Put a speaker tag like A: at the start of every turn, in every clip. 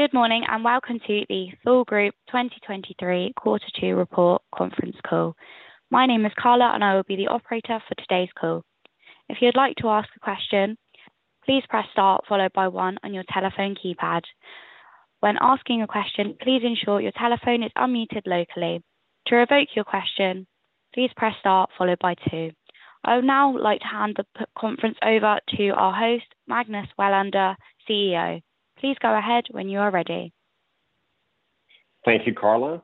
A: Good morning, and welcome to the Thule Group 2023 Quarter Two Report Conference Call. My name is Carla, and I will be the operator for today's call. If you'd like to ask a question, please press Star followed by One on your telephone keypad. When asking a question, please ensure your telephone is unmuted locally. To revoke your question, please press Star followed by Two. I would now like to hand the conference over to our host, Magnus Welander, CEO. Please go ahead when you are ready.
B: Thank you, Carla.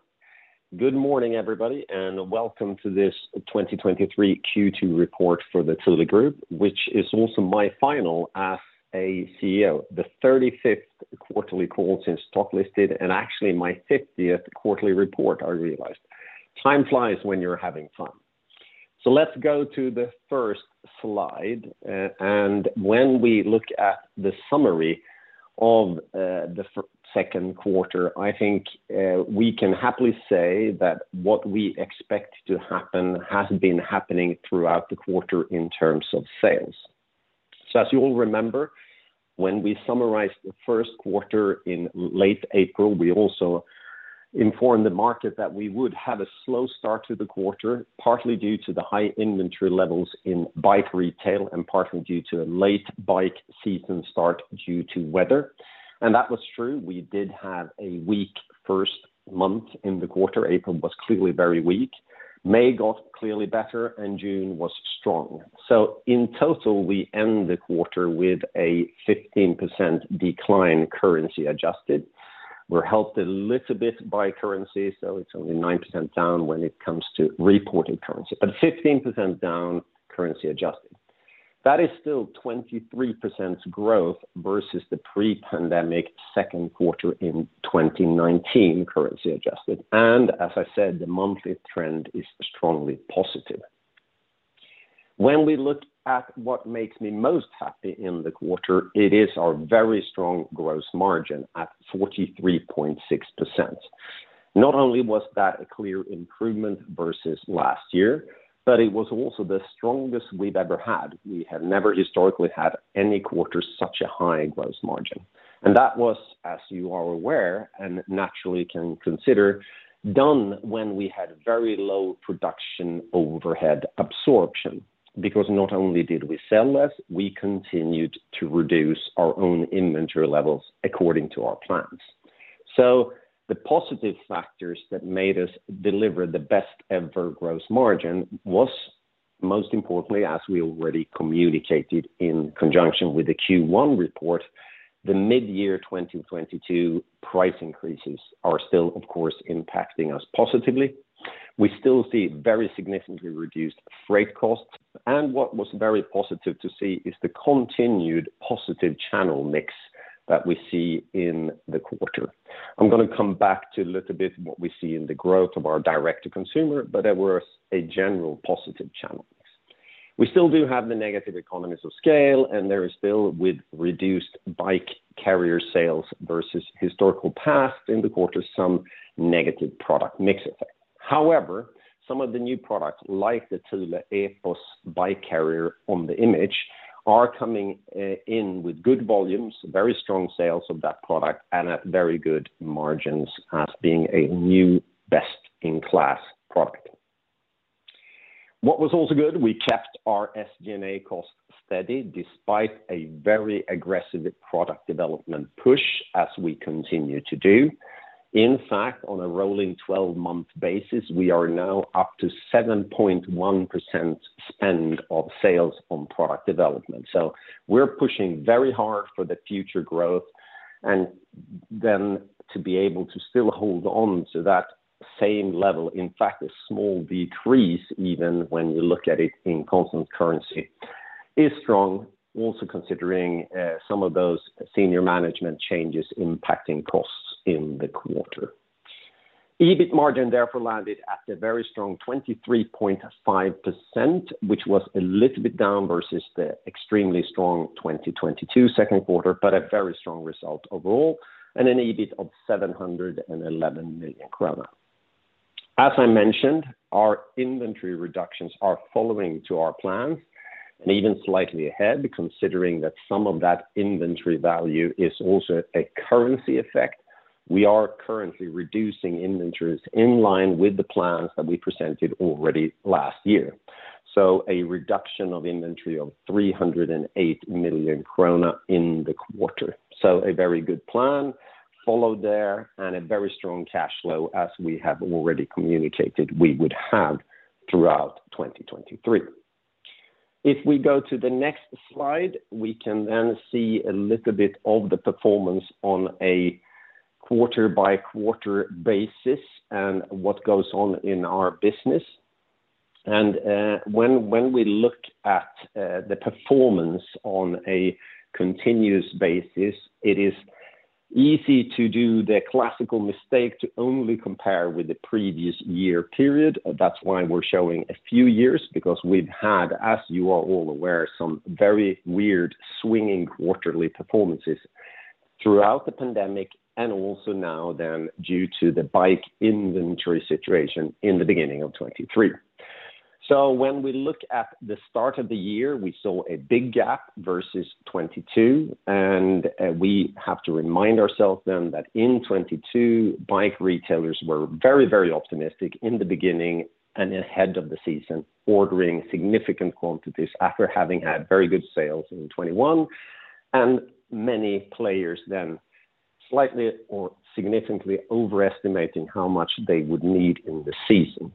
B: Good morning, everybody, and welcome to this 2023 Q2 report for the Thule Group, which is also my final as a CEO. The 35th quarterly call since stock was listed, actually my 50th quarterly report, I realized. Time flies when you're having fun. Let's go to the first slide. When we look at the summary of the Q2, I think we can happily say that what we expect to happen has been happening throughout the quarter in terms of sales. As you all remember, when we summarized the Q1 in late April, we also informed the market that we would have a slow start to the quarter, partly due to the high inventory levels in bike retail and partly due to a late bike season start due to weather. That was true, we did have a weak first month in the quarter. April was clearly very weak. May got clearly better, and June was strong. In total, we end the quarter with a 15% decline, currency adjusted. We're helped a little bit by currency, so it's only 9% down when it comes to reported currency, but 15% down, currency adjusted. That is still 23% growth versus the pre-pandemic Q2 in 2019, currency adjusted. As I said, the monthly trend is strongly positive. When we look at what makes me most happy in the quarter, it is our very strong gross margin at 43.6%. Not only was that a clear improvement versus last year, but it was also the strongest we've ever had. We have never historically had any quarter such a high gross margin, that was, as you are aware and naturally can consider, done when we had very low production overhead absorption, because not only did we sell less, we continued to reduce our own inventory levels according to our plans. The positive factors that made us deliver the best ever gross margin was, most importantly, as we already communicated in conjunction with the Q1 report, the mid-year 2022 price increases are still, of course, impacting us positively. We still see very significantly reduced freight costs, what was very positive to see is the continued positive channel mix that we see in the quarter. I'm gonna come back to a little bit what we see in the growth of our direct-to-consumer, there was a general positive channel mix. We still do have the negative economies of scale, and there is still, with reduced bike carrier sales versus historical past in the quarter, some negative product mix effect. However, some of the new products, like the Thule Epos bike carrier on the image, are coming in with good volumes, very strong sales of that product and at very good margins as being a new best-in-class product. What was also good, we kept our SG&A costs steady despite a very aggressive product development push, as we continue to do. In fact, on a rolling twelve-month basis, we are now up to 7.1% spend of sales on product development. We're pushing very hard for the future growth and then to be able to still hold on to that same level. In fact, a small decrease even when you look at it in constant currency, is strong, also considering some of those senior management changes impacting costs in the quarter. EBIT margin therefore landed at a very strong 23.5%, which was a little bit down versus the extremely strong 2022 Q2, but a very strong result overall, and an EBIT of 711 million krona. As I mentioned, our inventory reductions are following to our plans, and even slightly ahead, considering that some of that inventory value is also a currency effect. We are currently reducing inventories in line with the plans that we presented already last year. A reduction of inventory of 308 million krona in the quarter. A very good plan followed there and a very strong cash flow as we have already communicated we would have throughout 2023. If we go to the next slide, we can then see a little bit of the performance on a quarter-by-quarter basis and what goes on in our business. When we look at the performance on a continuous basis, it is easy to do the classical mistake to only compare with the previous year period. That's why we're showing a few years, because we've had, as you are all aware, some very weird swinging quarterly performances throughout the pandemic and also now then due to the bike inventory situation in the beginning of 2023. When we look at the start of the year, we saw a big gap versus 2022. We have to remind ourselves then that in 2022, bike retailers were very, very optimistic in the beginning and ahead of the season, ordering significant quantities after having had very good sales in 2021. Many players then slightly or significantly overestimating how much they would need in the season.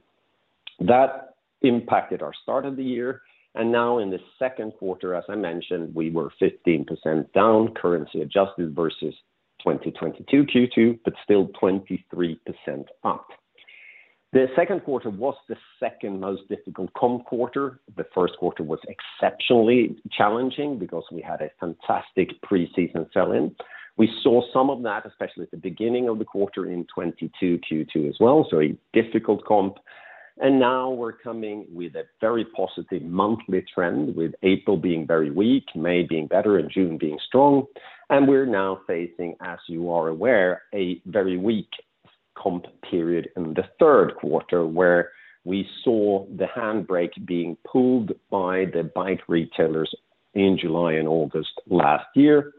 B: That impacted our start of the year. Now in the Q2, as I mentioned, we were 15% down, currency adjusted versus 2022 Q2, but still 23% up. The Q2 was the second most difficult comp quarter. The Q2 was exceptionally challenging because we had a fantastic preseason sell-in. We saw some of that, especially at the beginning of the quarter in 2022, Q2 as well, so a difficult comp. Now we're coming with a very positive monthly trend, with April being very weak, May being better and June being strong. We're now facing, as you are aware, a very weak comp period in the Q3, where we saw the handbrake being pulled by the bike retailers in July and August last year,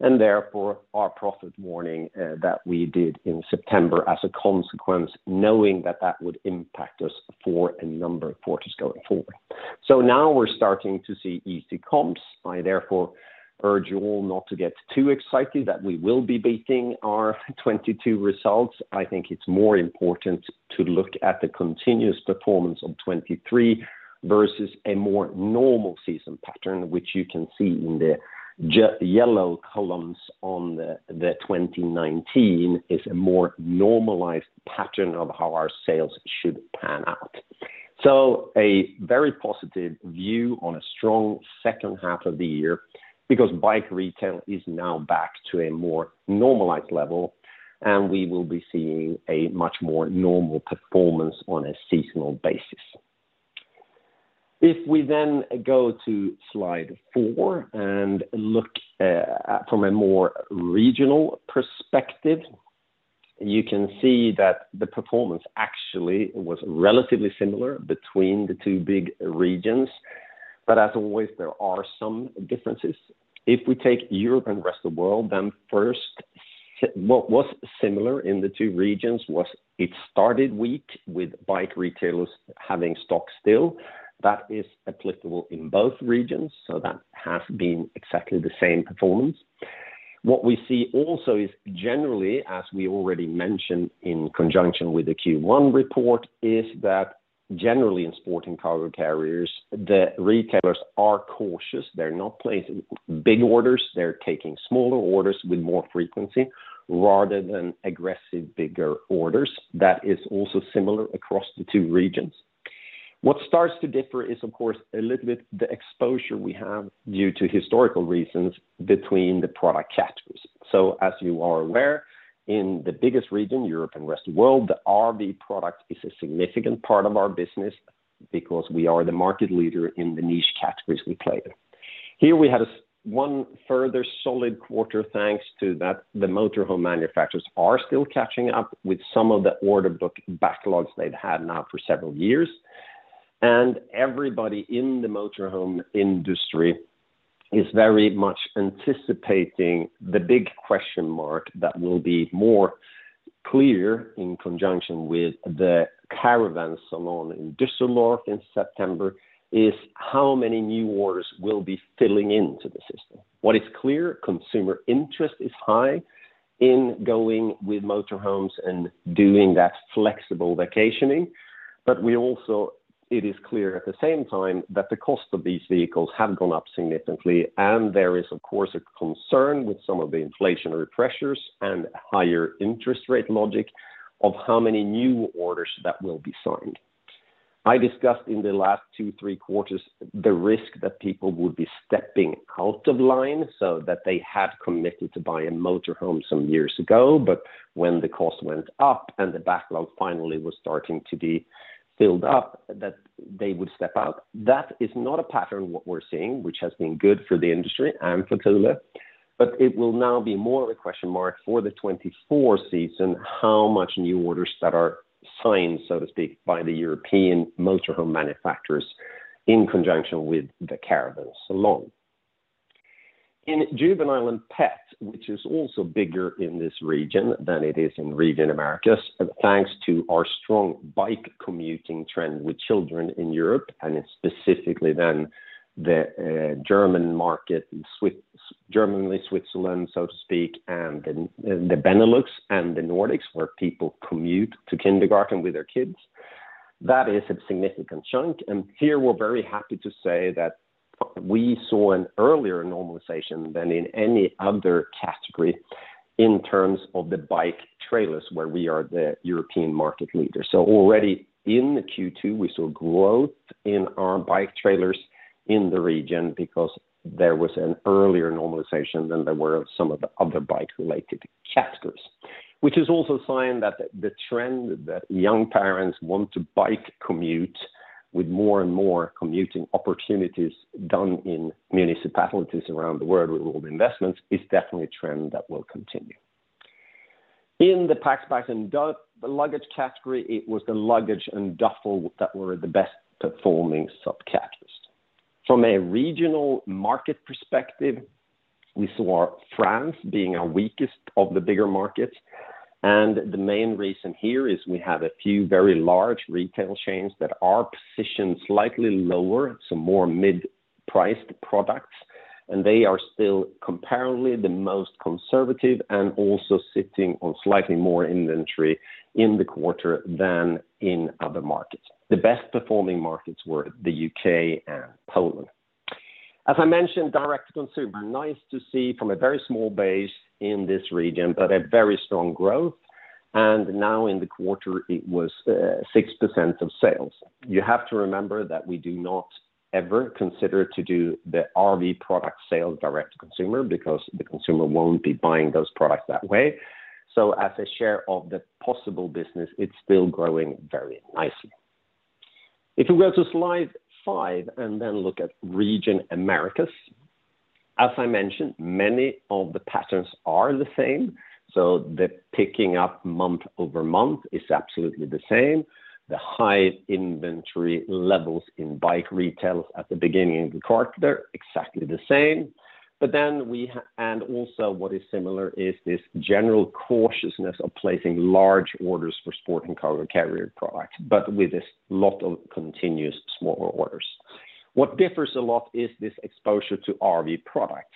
B: and therefore our profit warning, that we did in September as a consequence, knowing that that would impact us for a number of quarters going forward. Now we're starting to see easy comps. I therefore urge you all not to get too excited that we will be beating our 2022 results. I think it's more important to look at the continuous performance of 2023 versus a more normal season pattern, which you can see in the yellow columns on the 2019 is a more normalized pattern of how our sales should pan out. A very positive view on a strong second half of the year, because bike retail is now back to a more normalized level, and we will be seeing a much more normal performance on a seasonal basis. We then go to slide 4 and look from a more regional perspective, you can see that the performance actually was relatively similar between the two big regions, but as always, there are some differences. We take Europe and the rest of the world, then first, what was similar in the two regions was it started weak, with bike retailers having stock still. That is applicable in both regions, so that has been exactly the same performance. What we see also is generally, as we already mentioned in conjunction with the Q1 report, is that generally in sporting cargo carriers, the retailers are cautious. They're not placing big orders, they're taking smaller orders with more frequency, rather than aggressive, bigger orders. That is also similar across the two regions. What starts to differ is, of course, a little bit the exposure we have due to historical reasons between the product categories. As you are aware, in the biggest region, Europe and the Rest of the World, the RV product is a significant part of our business because we are the market leader in the niche categories we play in. Here we had a one further solid quarter, thanks to that the motor home manufacturers are still catching up with some of the order book backlogs they've had now for several years. Everybody in the motor home industry is very much anticipating the big question mark that will be more clear in conjunction with the CARAVAN SALON in Düsseldorf in September, is how many new orders will be filling into the system? What is clear, consumer interest is high in going with motor homes and doing that flexible vacationing. It is clear at the same time that the cost of these vehicles have gone up significantly, and there is, of course, a concern with some of the inflationary pressures and higher interest rate logic of how many new orders that will be signed. I discussed in the last two, three quarters, the risk that people would be stepping out of line so that they had committed to buy a motor home some years ago, but when the cost went up and the backlog finally was starting to be filled up, that they would step out. That is not a pattern what we're seeing, which has been good for the industry and for Thule, but it will now be more of a question mark for the 2024 season, how much new orders that are signed, so to speak, by the European motor home manufacturers in conjunction with the CARAVAN SALON. In juvenile and pet, which is also bigger in this region than it is in Region of the Americas. Thanks to our strong bike commuting trend with children in Europe, specifically then the German market, Germany, Switzerland, so to speak, and the Benelux and the Nordics, where people commute to kindergarten with their kids. That is a significant chunk. Here we're very happy to say that we saw an earlier normalization than in any other category in terms of the bike trailers, where we are the European market leader. Already in the Q2, we saw growth in our bike trailers in the region because there was an earlier normalization than there were of some of the other bike-related categories. Which is also a sign that the trend that young parents want to bike commute with more and more commuting opportunities done in municipalities around the world with all the investments, is definitely a trend that will continue. In the packs, bags, and the luggage category, it was the luggage and duffel that were the best performing subcategories. From a regional market perspective, we saw France being our weakest of the bigger markets, and the main reason here is we have a few very large retail chains that are positioned slightly lower, some more mid-priced products, and they are still comparably the most conservative and also sitting on slightly more inventory in the quarter than in other markets. The best performing markets were the UK and Poland. As I mentioned, direct-to-consumer, nice to see from a very small base in this region, but a very strong growth. Now in the quarter, it was 6% of sales. You have to remember that we do not ever consider to do the RV product sales direct-to-consumer, because the consumer won't be buying those products that way. As a share of the possible business, it's still growing very nicely. If you go to slide 5. Look at region Americas, as I mentioned, many of the patterns are the same. The picking up month-over-month is absolutely the same. The high inventory levels in bike retail at the beginning of the quarter, exactly the same. And also what is similar is this general cautiousness of placing large orders for sport and cargo carrier products, but with this lot of continuous smaller orders. What differs a lot is this exposure to RV products,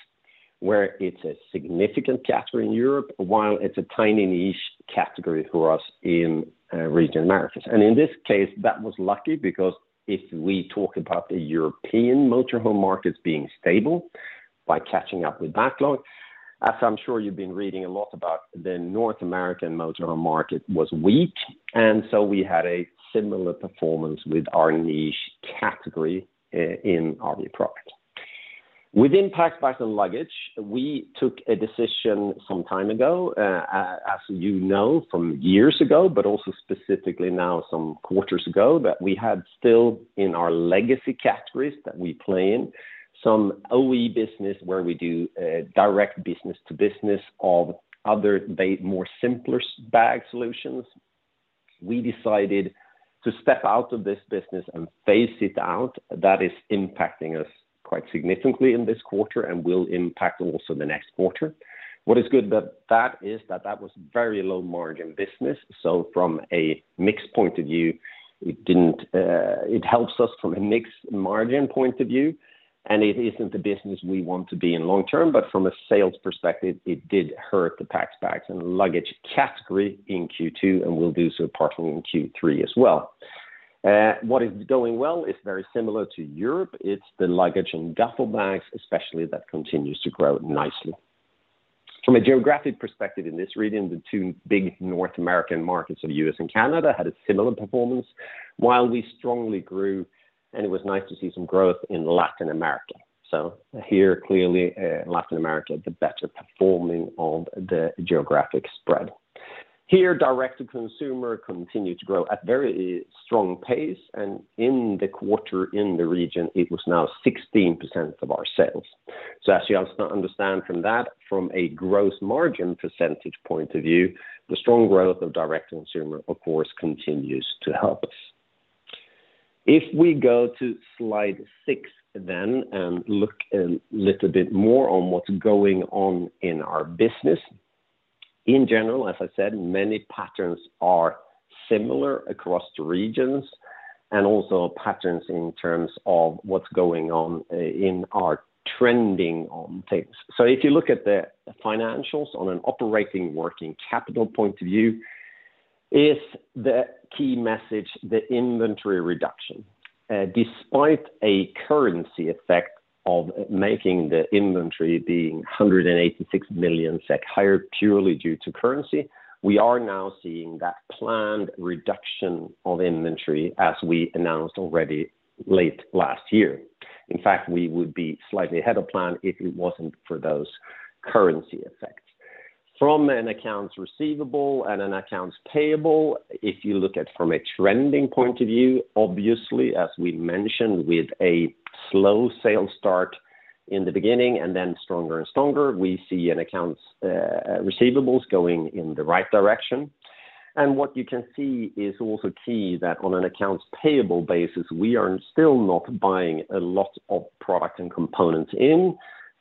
B: where it's a significant category in Europe, while it's a tiny niche category for us in region Americas. In this case, that was lucky, because if we talk about the European motor home markets being stable by catching up with backlog, as I'm sure you've been reading a lot about, the North American motor home market was weak, so we had a similar performance with our niche category in RV products. Within packs, bags, and luggage, we took a decision some time ago, as you know, from years ago, but also specifically now some quarters ago, that we had still in our legacy categories that we play in, some OE business where we do direct business to business of other, the more simpler bag solutions. We decided to step out of this business and phase it out. That is impacting us quite significantly in this quarter and will impact also the next quarter. What is good about that, is that that was very low margin business, so from a mix point of view, it didn't. It helps us from a mix margin point of view. It isn't the business we want to be in long-term. From a sales perspective, it did hurt the packs, bags, and luggage category in Q2, and will do so partly in Q3 as well. What is going well is very similar to Europe. It's the luggage and duffel bags, especially, that continues to grow nicely. From a geographic perspective in this region, the two big North American markets of the U.S. and Canada had a similar performance, while we strongly grew. It was nice to see some growth in Latin America. Here, clearly, Latin America, the better performing of the geographic spread. Here, direct-to- consumer continued to grow at very strong pace. In the quarter in the region, it was now 16% of our sales. As you also understand from that, from a gross margin percentage point of view, the strong growth of direct-to-consumer, of course, continues to help us. If we go to slide 6 and look a little bit more on what's going on in our business. In general, as I said, many patterns are similar across the regions, and also patterns in terms of what's going on in our trending on things. If you look at the financials on an operating working capital point of view, is the key message, the inventory reduction? Despite a currency effect of making the inventory being 186 million SEK higher, purely due to currency, we are now seeing that planned reduction of inventory as we announced already late last year. In fact, we would be slightly ahead of plan if it wasn't for those currency effects. From an accounts receivable and an accounts payable, if you look at from a trending point of view, obviously, as we mentioned, with a slow sales start in the beginning and then stronger and stronger, we see an accounts receivable going in the right direction. What you can see is also key that on an accounts payable basis, we are still not buying a lot of product and components in,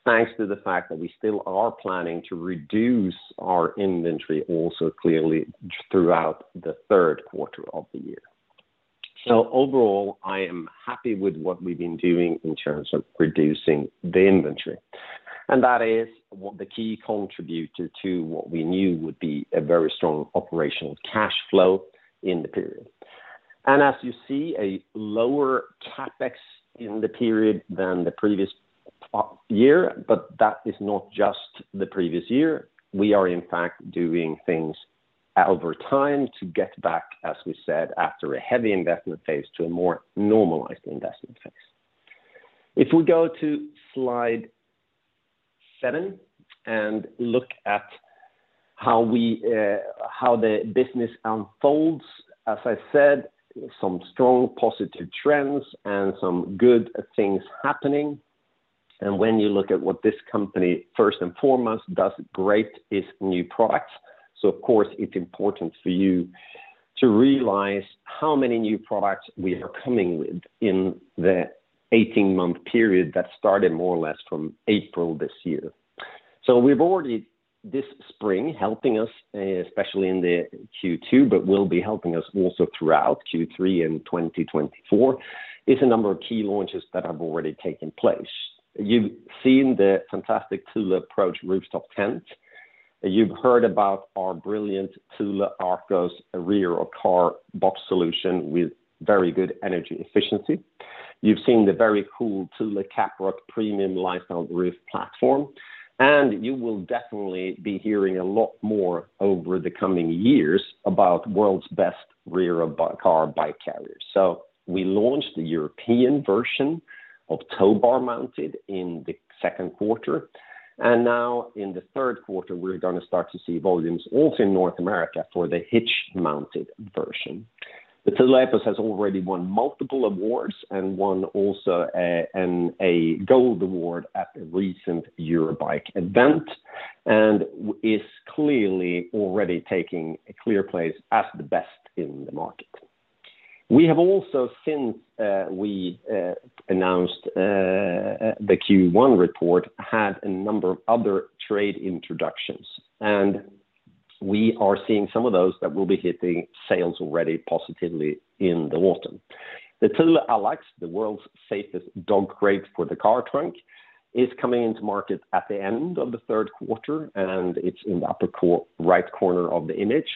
B: thanks to the fact that we still are planning to reduce our inventory also clearly throughout the Q3 of the year. Overall, I am happy with what we've been doing in terms of reducing the inventory, and that is what the key contributor to what we knew would be a very strong operational cash flow in the period. As you see, a lower CapEx in the period than the previous year, but that is not just the previous year. We are, in fact, doing things over time to get back, as we said, after a heavy investment phase, to a more normalized investment phase. If we go to slide 7 and look at how we, how the business unfolds, as I said, some strong positive trends and some good things happening. When you look at what this company, first and foremost, does great is new products. Of course, it's important for you to realize how many new products we are coming with in the 18-month period that started more or less from April this year. We've already, this spring, helping us, especially in the Q2, but will be helping us also throughout Q3 and 2024, is a number of key launches that have already taken place. You've seen the fantastic Thule Approach rooftop tent. You've heard about our brilliant Thule Arcos rear or car box solution with very good energy efficiency. You've seen the very cool Thule Caprock premium lifestyle roof platform, and you will definitely be hearing a lot more over the coming years about world's best rear of car bike carrier. We launched the European version of tow bar mounted in the Q2, and now in the Q3, we're going to start to see volumes also in North America for the hitch-mounted version. The Thule Epos has already won multiple awards and won also a gold award at the recent Eurobike event, and is clearly already taking a clear place as the best in the market. We have also, since we announced the Q1 report, had a number of other trade introductions, and we are seeing some of those that will be hitting sales already positively in the autumn. The Thule Allax, the world's safest dog crate for the car trunk, is coming into market at the end of the Q3, and it's in the upper right corner of the image.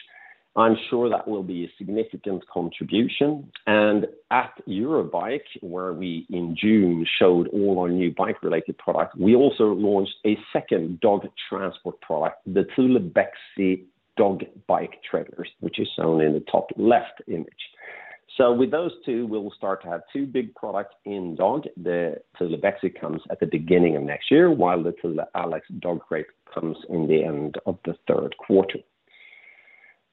B: I'm sure that will be a significant contribution. At Eurobike, where we in June showed all our new bike-related products, we also launched a second dog transport product, the Thule Bexar dog bike trailers, which is shown in the top left image. With those two, we'll start to have two big products in dog. The Thule Bexar comes at the beginning of next year, while the Thule Allax dog crate comes in the end of the Q3.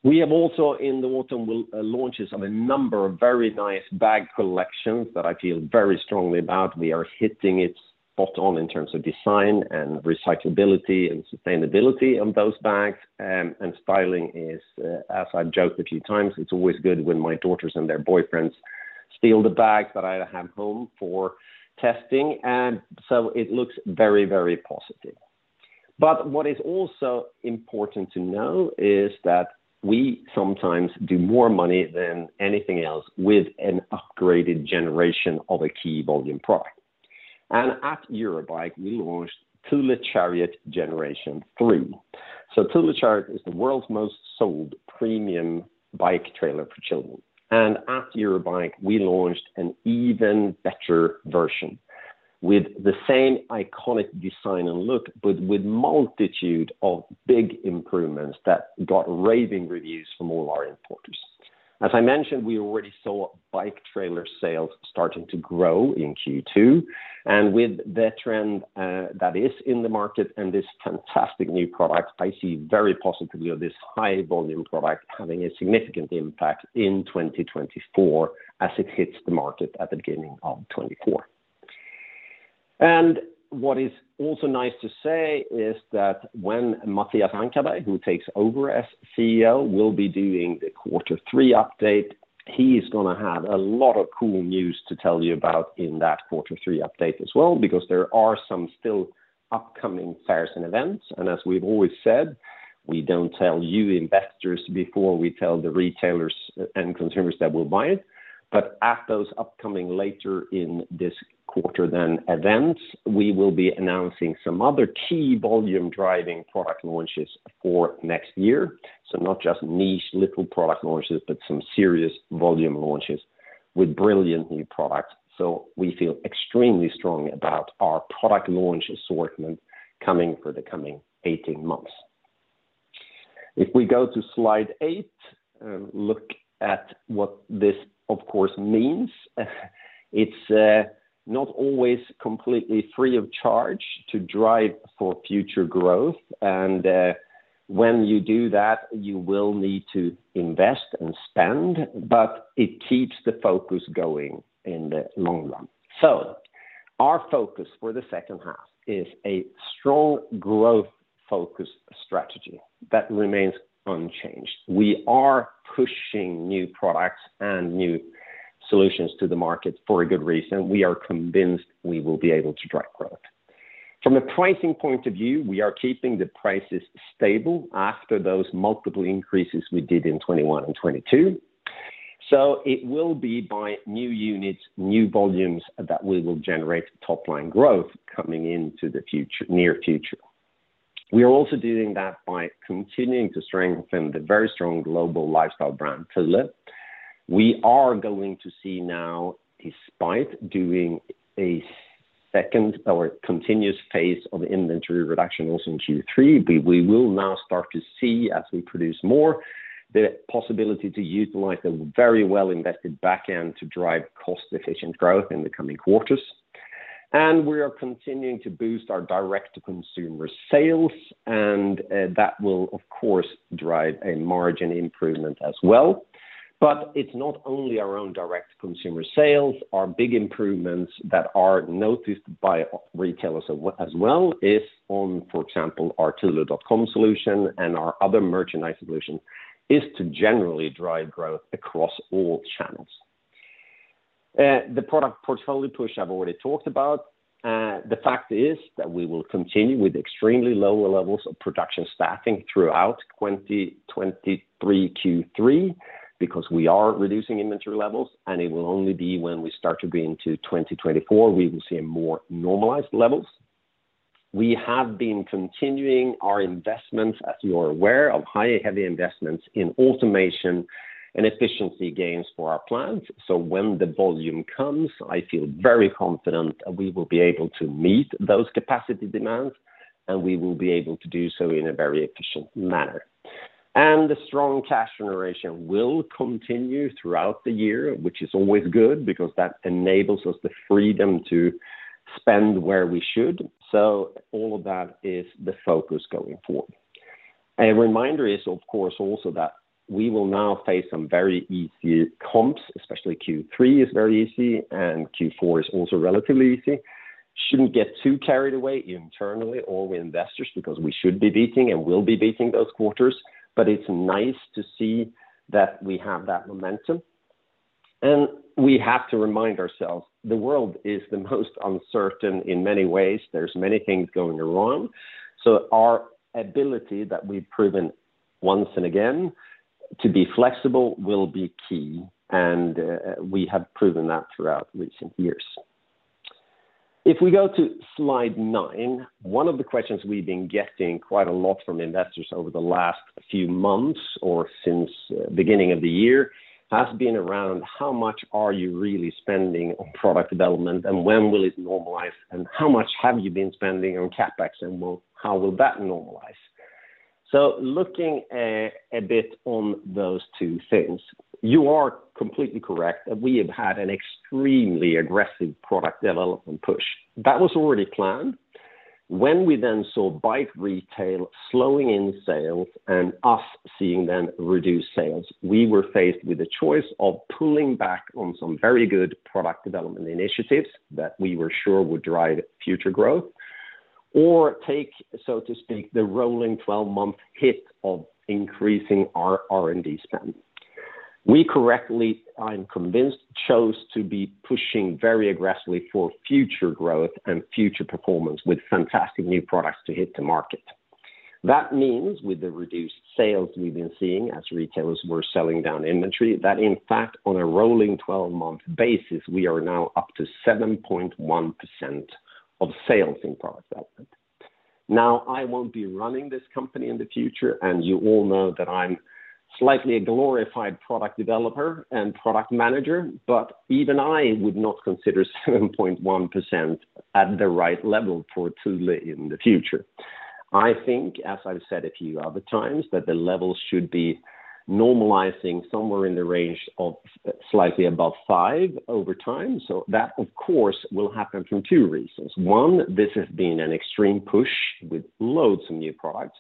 B: We have also in the autumn, will launches of a number of very nice bag collections that I feel very strongly about. We are hitting it spot on in terms of design and recyclability and sustainability of those bags, and styling is, as I've joked a few times, it's always good when my daughters and their boyfriends steal the bags that I have home for testing, and so it looks very, very positive. What is also important to know is that we sometimes do more money than anything else with an upgraded generation of a key volume product. At Eurobike, we launched Thule Chariot Generation Three. Thule Chariot is the world's most sold premium bike trailer for children, and at Eurobike, we launched an even better version with the same iconic design and look, but with a multitude of big improvements that got raving reviews from all our importers. As I mentioned, we already saw bike trailer sales starting to grow in Q2, with the trend that is in the market and this fantastic new product, I see very positively of this high-volume product having a significant impact in 2024 as it hits the market at the beginning of 2024. What is also nice to say is that when Mattias Ankarberg, who takes over as CEO, will be doing the quarter three update, he's going to have a lot of cool news to tell you about in that quarter three update as well, because there are some still upcoming fairs and events. As we've always said, we don't tell you investors before we tell the retailers and consumers that will buy it. At those upcoming later in this quarter, then events, we will be announcing some other key volume-driving product launches for next year. Not just niche little product launches, but some serious volume launches with brilliant new products. We feel extremely strongly about our product launch assortment coming for the coming 18 months. If we go to slide 8, look at what this, of course, means. It's not always completely free of charge to drive for future growth, and when you do that, you will need to invest and spend, but it keeps the focus going in the long run. Our focus for the second half is a strong growth focus strategy that remains unchanged. We are pushing new products and new solutions to the market for a good reason. We are convinced we will be able to drive growth. From a pricing point of view, we are keeping the prices stable after those multiple increases we did in 2021 and 2022. It will be by new units, new volumes, that we will generate top-line growth coming into the near future. We are also doing that by continuing to strengthen the very strong global lifestyle brand, Thule. We are going to see now, despite doing a second or continuous phase of inventory reduction also in Q3, but we will now start to see as we produce more, the possibility to utilize a very well-invested back end to drive cost efficient growth in the coming quarters. We are continuing to boost our direct-to-consumer sales, and that will, of course, drive a margin improvement as well. It's not only our own direct consumer sales, our big improvements that are noticed by retailers as well, is on, for example, our Thule.com solution and our other merchandise solution, is to generally drive growth across all channels. The product portfolio push I've already talked about, the fact is that we will continue with extremely lower levels of production staffing throughout 2023 Q3, because we are reducing inventory levels, and it will only be when we start to be into 2024, we will see a more normalized levels. We have been continuing our investments, as you're aware, of high heavy investments in automation and efficiency gains for our plants. When the volume comes, I feel very confident that we will be able to meet those capacity demands, and we will be able to do so in a very efficient manner. The strong cash generation will continue throughout the year, which is always good because that enables us the freedom to spend where we should. All of that is the focus going forward. A reminder is, of course, also that we will now face some very easy comps, especially Q3 is very easy, and Q4 is also relatively easy. Shouldn't get too carried away internally or with investors, because we should be beating and will be beating those quarters, but it's nice to see that we have that momentum. We have to remind ourselves, the world is the most uncertain in many ways. There's many things going wrong. Our ability that we've proven once and again, to be flexible, will be key, and, we have proven that throughout recent years. If we go to slide 9, one of the questions we've been getting quite a lot from investors over the last few months or since beginning of the year, has been around, How much are you really spending on product development, and when will it normalize? How much have you been spending on CapEx, and well, how will that normalize? Looking a bit on those two things, you are completely correct that we have had an extremely aggressive product development push. That was already planned. When we then saw bike retail slowing in sales and us seeing them reduce sales, we were faced with a choice of pulling back on some very good product development initiatives that we were sure would drive future growth, or take, so to speak, the rolling 12-month hit of increasing our R&D spend. We correctly, I'm convinced, chose to be pushing very aggressively for future growth and future performance with fantastic new products to hit the market. That means with the reduced sales we've been seeing as retailers were selling down inventory, that in fact, on a rolling twelve-month basis, we are now up to 7.1% of sales in product development. I won't be running this company in the future, and you all know that I'm slightly a glorified product developer and product manager, but even I would not consider 7.1% at the right level for Tula in the future. I think, as I've said a few other times, that the level should be normalizing somewhere in the range of slightly above five over time. That, of course, will happen for two reasons. One, this has been an extreme push with loads of new products.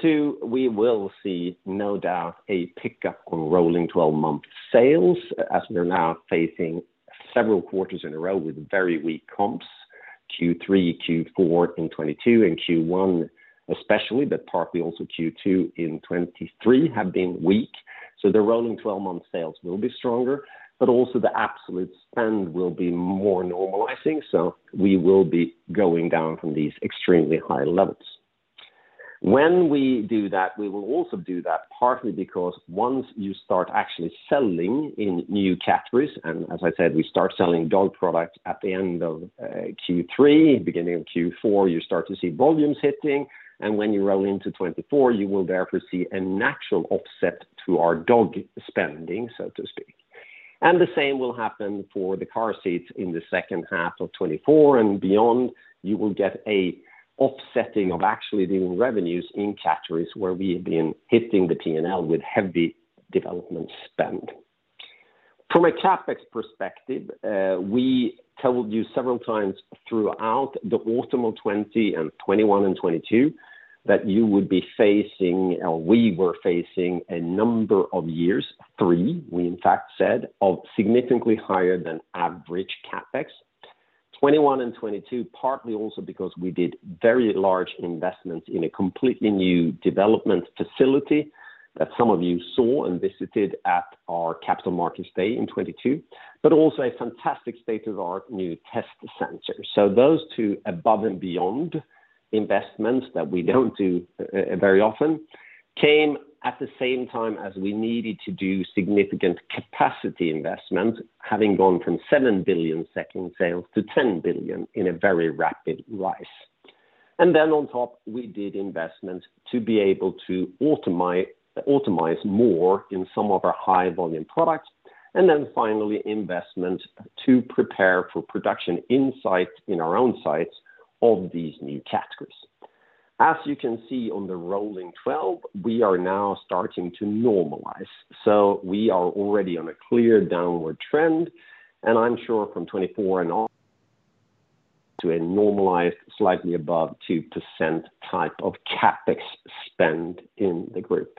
B: Two, we will see, no doubt, a pickup on rolling 12-month sales as we're now facing several quarters in a row with very weak comps, Q3, Q4 in 2022 and Q1, especially, but partly also Q2 in 2023, have been weak. The rolling 12-month sales will be stronger, but also the absolute spend will be more normalizing, so we will be going down from these extremely high levels. When we do that, we will also do that partly because once you start actually selling in new categories, and as I said, we start selling dog products at the end of Q3, beginning of Q4, you start to see volumes hitting. When you roll into 2024, you will therefore see a natural offset to our dog spending, so to speak. The same will happen for the car seats in the second half of 2024 and beyond. You will get an offsetting of actually the revenues in categories where we have been hitting the P&L with heavy development spend. From a CapEx perspective, we told you several times throughout the autumn of 2020 and 2021 and 2022, that you would be facing, or we were facing a number of years, three, we in fact said, of significantly higher than average CapEx. 2021 and 2022, partly also because we did very large investments in a completely new development facility that some of you saw and visited at our Capital Markets Day in 2022, but also a fantastic state-of-the-art new test center. Those two above and beyond investments that we don't do very often, came at the same time as we needed to do significant capacity investment, having gone from 7 billion SEK sales to 10 billion SEK in a very rapid rise. On top, we did-investment to be able to automize more in some of our high-volume products. Finally, investment to prepare for production insight in our own sites of these new categories. As you can see on the rolling 12, we are now starting to normalize, so we are already on a clear downward trend, and I'm sure from 2024 and on to a normalized, slightly above 2% type of CapEx spend in the group.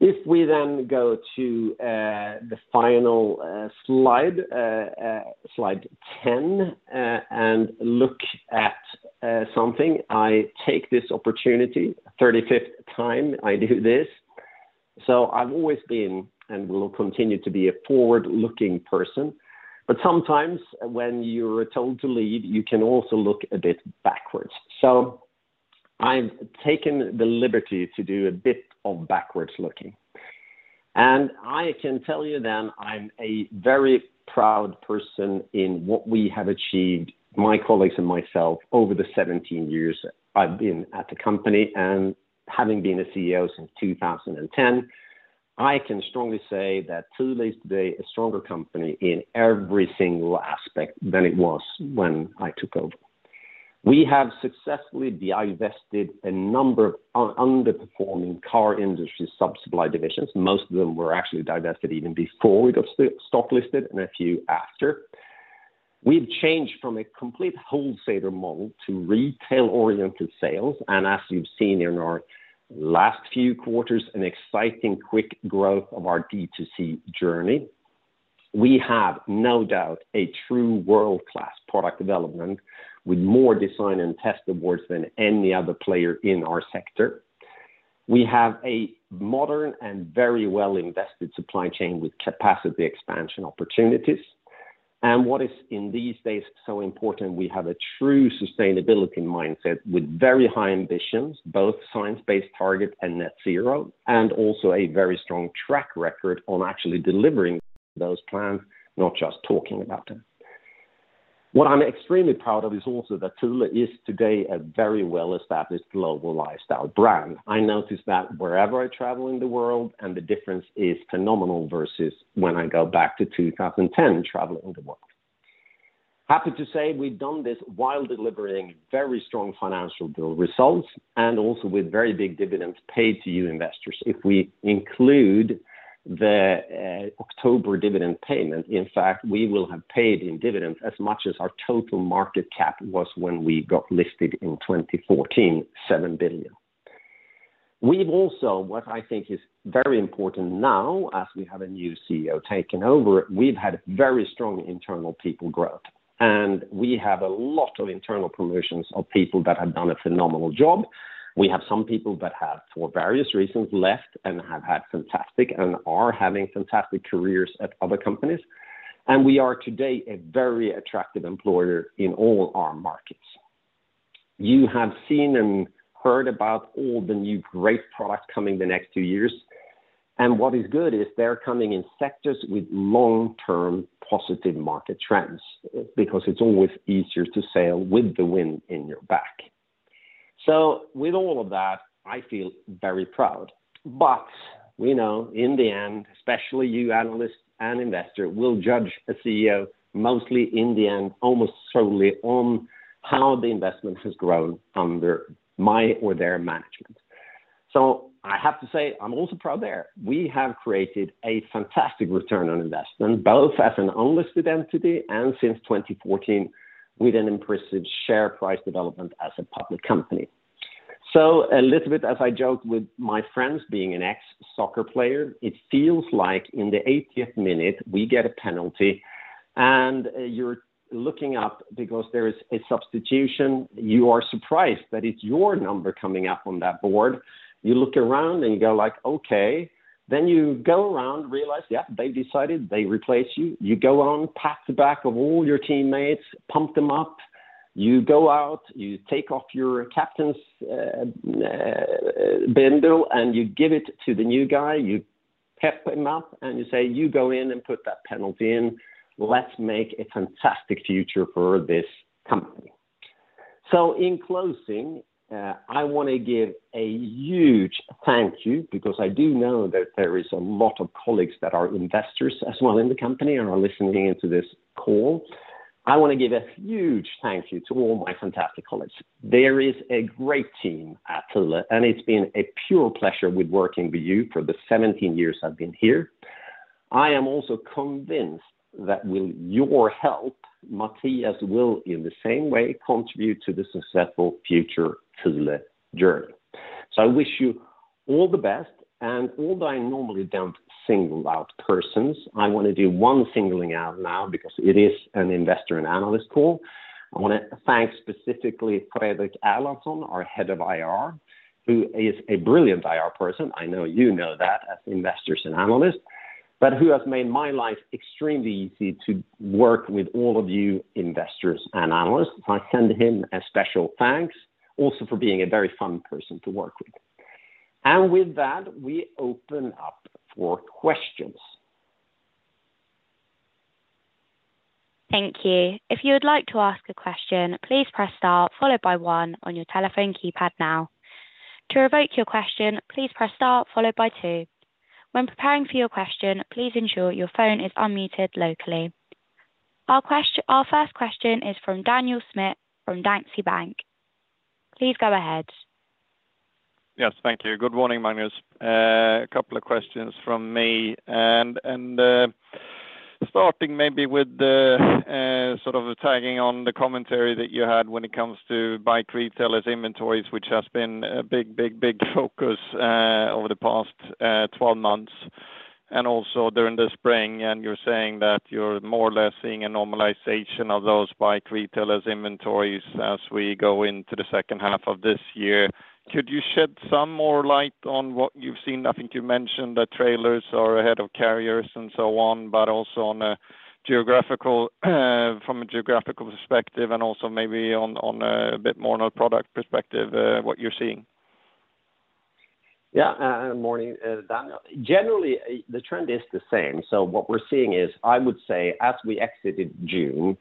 B: If we then go to the final slide 10, and look at something, I take this opportunity, 35th time I do this. I've always been, and will continue to be, a forward-looking person, but sometimes when you're told to lead, you can also look a bit backwards. I've taken the liberty to do a bit of backwards looking, and I can tell you then, I'm a very proud person in what we have achieved, my colleagues and myself, over the 17 years I've been at the company. Having been a CEO since 2010, I can strongly say that Thule Group is today a stronger company in every single aspect than it was when I took over. We have successfully divested a number of underperforming car industry subsupply divisions. Most of them were actually divested even before we got stock listed, and a few after. We've changed from a complete wholesaler model to retail-oriented sales, and as you've seen in our last few quarters, an exciting quick growth of our D2C journey. We have no doubt a true world-class product development, with more design and test awards than any other player in our sector. We have a modern and very well-invested supply chain with capacity expansion opportunities. What is, in these days, so important, we have a true sustainability mindset with very high ambitions, both science-based targets and net zero, and also a very strong track record on actually delivering those plans, not just talking about them. What I'm extremely proud of is also that Tula is today a very well-established global lifestyle brand. I notice that wherever I travel in the world, and the difference is phenomenal versus when I go back to 2010, traveling the world. Happy to say we've done this while delivering very strong financial build results, and also with very big dividends paid to you, investors. If we include the October dividend payment, in fact, we will have paid in dividends as much as our total market cap was when we got listed in 2014, 7 billion. We've also, what I think is very important now, as we have a new CEO taking over, we've had very strong internal people growth, and we have a lot of internal promotions of people that have done a phenomenal job. We have some people that have, for various reasons, left and have had fantastic, and are having fantastic careers at other companies. We are today a very attractive employer in all our markets. You have seen and heard about all the new great products coming the next 2 years, and what is good is they're coming in sectors with long-term positive market trends, because it's always easier to sail with the wind in your back. With all of that, I feel very proud. We know in the end, especially you, analysts and investor, will judge a CEO, mostly in the end, almost solely on how the investment has grown under my or their management. I have to say, I'm also proud there. We have created a fantastic return on investment, both as an unlisted entity and since 2014, with an impressive share price development as a public company. A little bit as I joke with my friends, being an ex-soccer player, it feels like in the 80th minute, we get a penalty and you're looking up because there is a substitution. You are surprised that it's your number coming up on that board. You look around and you go like, "Okay." You go around, realize, yeah, they decided they replace you. You go on, pat the back of all your teammates, pump them up. You go out, you take off your captain's bindi, and you give it to the new guy. You pep him up, and you say, "You go in and put that penalty in. Let's make a fantastic future for this company. In closing, I want to give a huge thank you, because I do know that there is a lot of colleagues that are investors as well in the company and are listening in to this call. I want to give a huge thank you to all my fantastic colleagues. There is a great team at Thule Group, and it's been a pure pleasure with working with you for the 17 years I've been here. I am also convinced that with your help, Mattias will, in the same way, contribute to the successful future of the Thule Group journey. I wish you all the best, and although I normally don't single out persons, I want to do one singling out now because it is an investor and analyst call. I want to thank specifically Fredrik Erlandsson, our head of IR, who is a brilliant IR person. I know you know that as investors and analysts, but who has made my life extremely easy to work with all of you, investors and analysts. I send him a special thanks, also for being a very fun person to work with. With that, we open up for questions.
A: Thank you. If you would like to ask a question, please press Star, followed by 1 on your telephone keypad now. To revoke your question, please press Star followed by 2. When preparing for your question, please ensure your phone is unmuted locally. Our first question is from Daniel Smith, from Daiwa Bank. Please go ahead.
C: Yes, thank you. Good morning, Magnus. A couple of questions from me, and starting maybe with the sort of the tagging on the commentary that you had when it comes to bike retailers' inventories, which has been a big, big, big focus over the past 12 months, and also during the spring. You're saying that you're more or less seeing a normalization of those bike retailers' inventories as we go into the second half of this year. Could you shed some more light on what you've seen? I think you mentioned that trailers are ahead of carriers and so on, but also on a geographical, from a geographical perspective, and also maybe on a bit more on a product perspective, what you're seeing?
B: Morning, Dan. Generally, the trend is the same. What we're seeing is, I would say, as we exited June,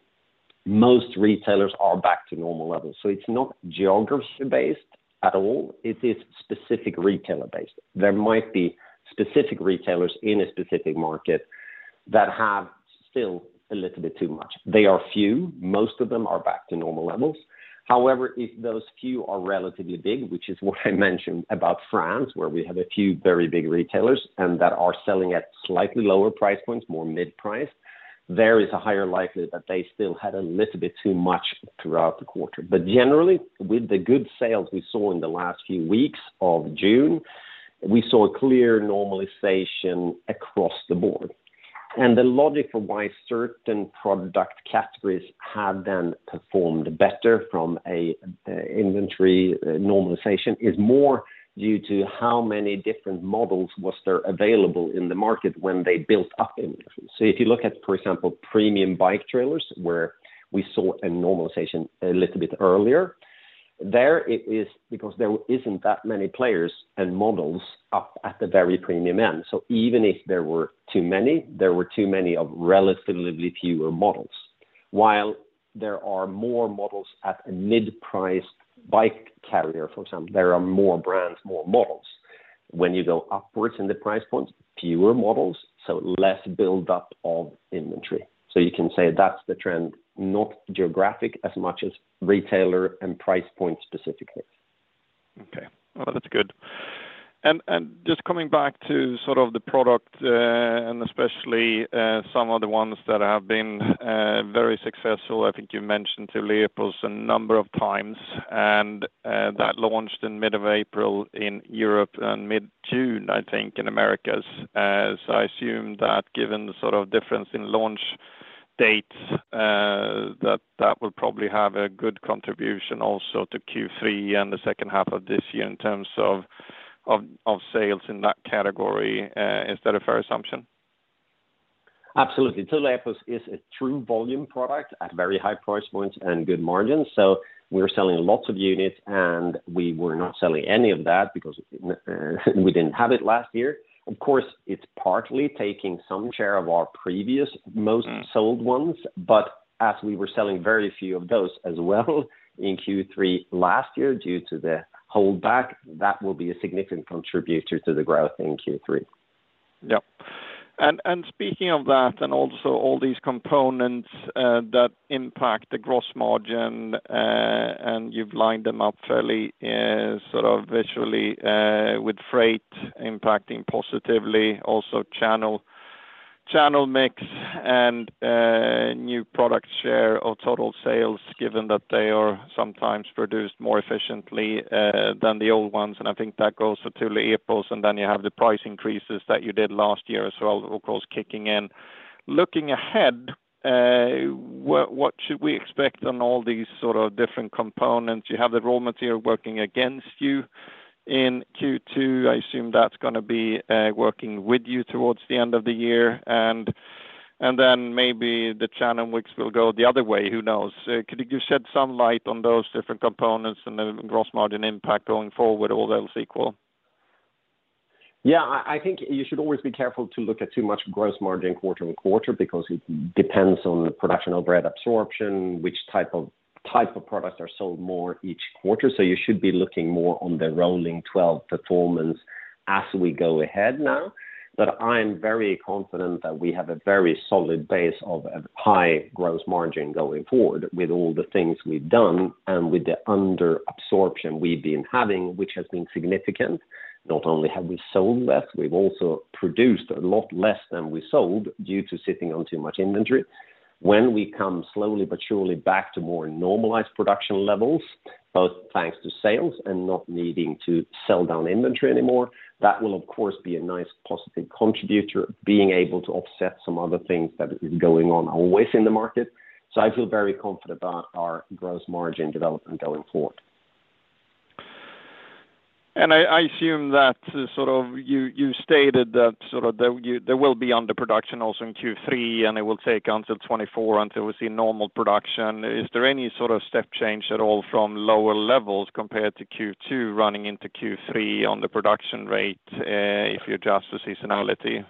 B: most retailers are back to normal levels, so it's not geography-based at all. It is specific retailer-based. There might be specific retailers in a specific market that have still a little bit too much. They are few. Most of them are back to normal levels. However, if those few are relatively big, which is what I mentioned about France, where we have a few very big retailers, and that are selling at slightly lower price points, more mid-priced, there is a higher likelihood that they still had a little bit too much throughout the quarter. Generally, with the good sales we saw in the last few weeks of June, we saw a clear normalization across the board. The logic for why certain product categories have then performed better from an inventory normalization is more due to how many different models was there available in the market when they built up inventory. If you look at, for example, premium bike trailers, where we saw a normalization a little bit earlier, there it is because there isn't that many players and models up at the very premium end. Even if there were too many, there were too many of relatively fewer models. There are more models at a mid-priced bike carrier, for example, there are more brands, more models. When you go upwards in the price points, fewer models, so less build up of inventory. You can say that's the trend, not geographic as much as retailer and price point specifically.
C: Okay, well, that's good. Just coming back to sort of the product, and especially some of the ones that have been very successful, I think you've mentioned Thule Epos a number of times, and that launched in mid-April in Europe and mid-June, I think, in Americas. I assume that given the sort of difference in launch dates, that that will probably have a good contribution also to Q3 and the second half of this year in terms of sales in that category. Is that a fair assumption?
B: Absolutely. Thule Epos is a true volume product at very high price points and good margins. We're selling lots of units. We were not selling any of that because we didn't have it last year. Of course, it's partly taking some share of our previous most sold ones. As we were selling very few of those as well in Q3 last year, due to the holdback, that will be a significant contributor to the growth in Q3.
C: Yep. Speaking of that, and also all these components, that impact the gross margin, and you've lined them up fairly, sort of visually, with freight impacting positively, also channel mix and new product share of total sales, given that they are sometimes produced more efficiently than the old ones, and I think that goes for Thule Epos, and then you have the price increases that you did last year as well, of course, kicking in. Looking ahead, what should we expect on all these sort of different components? You have the raw material working against you in Q2. I assume that's gonna be working with you towards the end of the year, then maybe the channel mix will go the other way, who knows. Could you shed some light on those different components and the gross margin impact going forward, all else equal?
B: I think you should always be careful to look at too much gross margin quarter on quarter, because it depends on the production overall absorption, which type of products are sold more each quarter. You should be looking more on the rolling 12 performance as we go ahead now. I'm very confident that we have a very solid base of a high gross margin going forward with all the things we've done and with the under absorption we've been having, which has been significant. Not only have we sold less, we've also produced a lot less than we sold due to sitting on too much inventory. When we come slowly but surely back to more normalized production levels, both thanks to sales and not needing to sell down inventory anymore, that will, of course, be a nice positive contributor, being able to offset some other things that is going on always in the market. I feel very confident about our gross margin development going forward.
C: I assume that sort of you stated that sort of there will be underproduction also in Q3, and it will take until 2024 until we see normal production. Is there any sort of step change at all from lower levels compared to Q2 running into Q3 on the production rate, if you adjust for seasonality?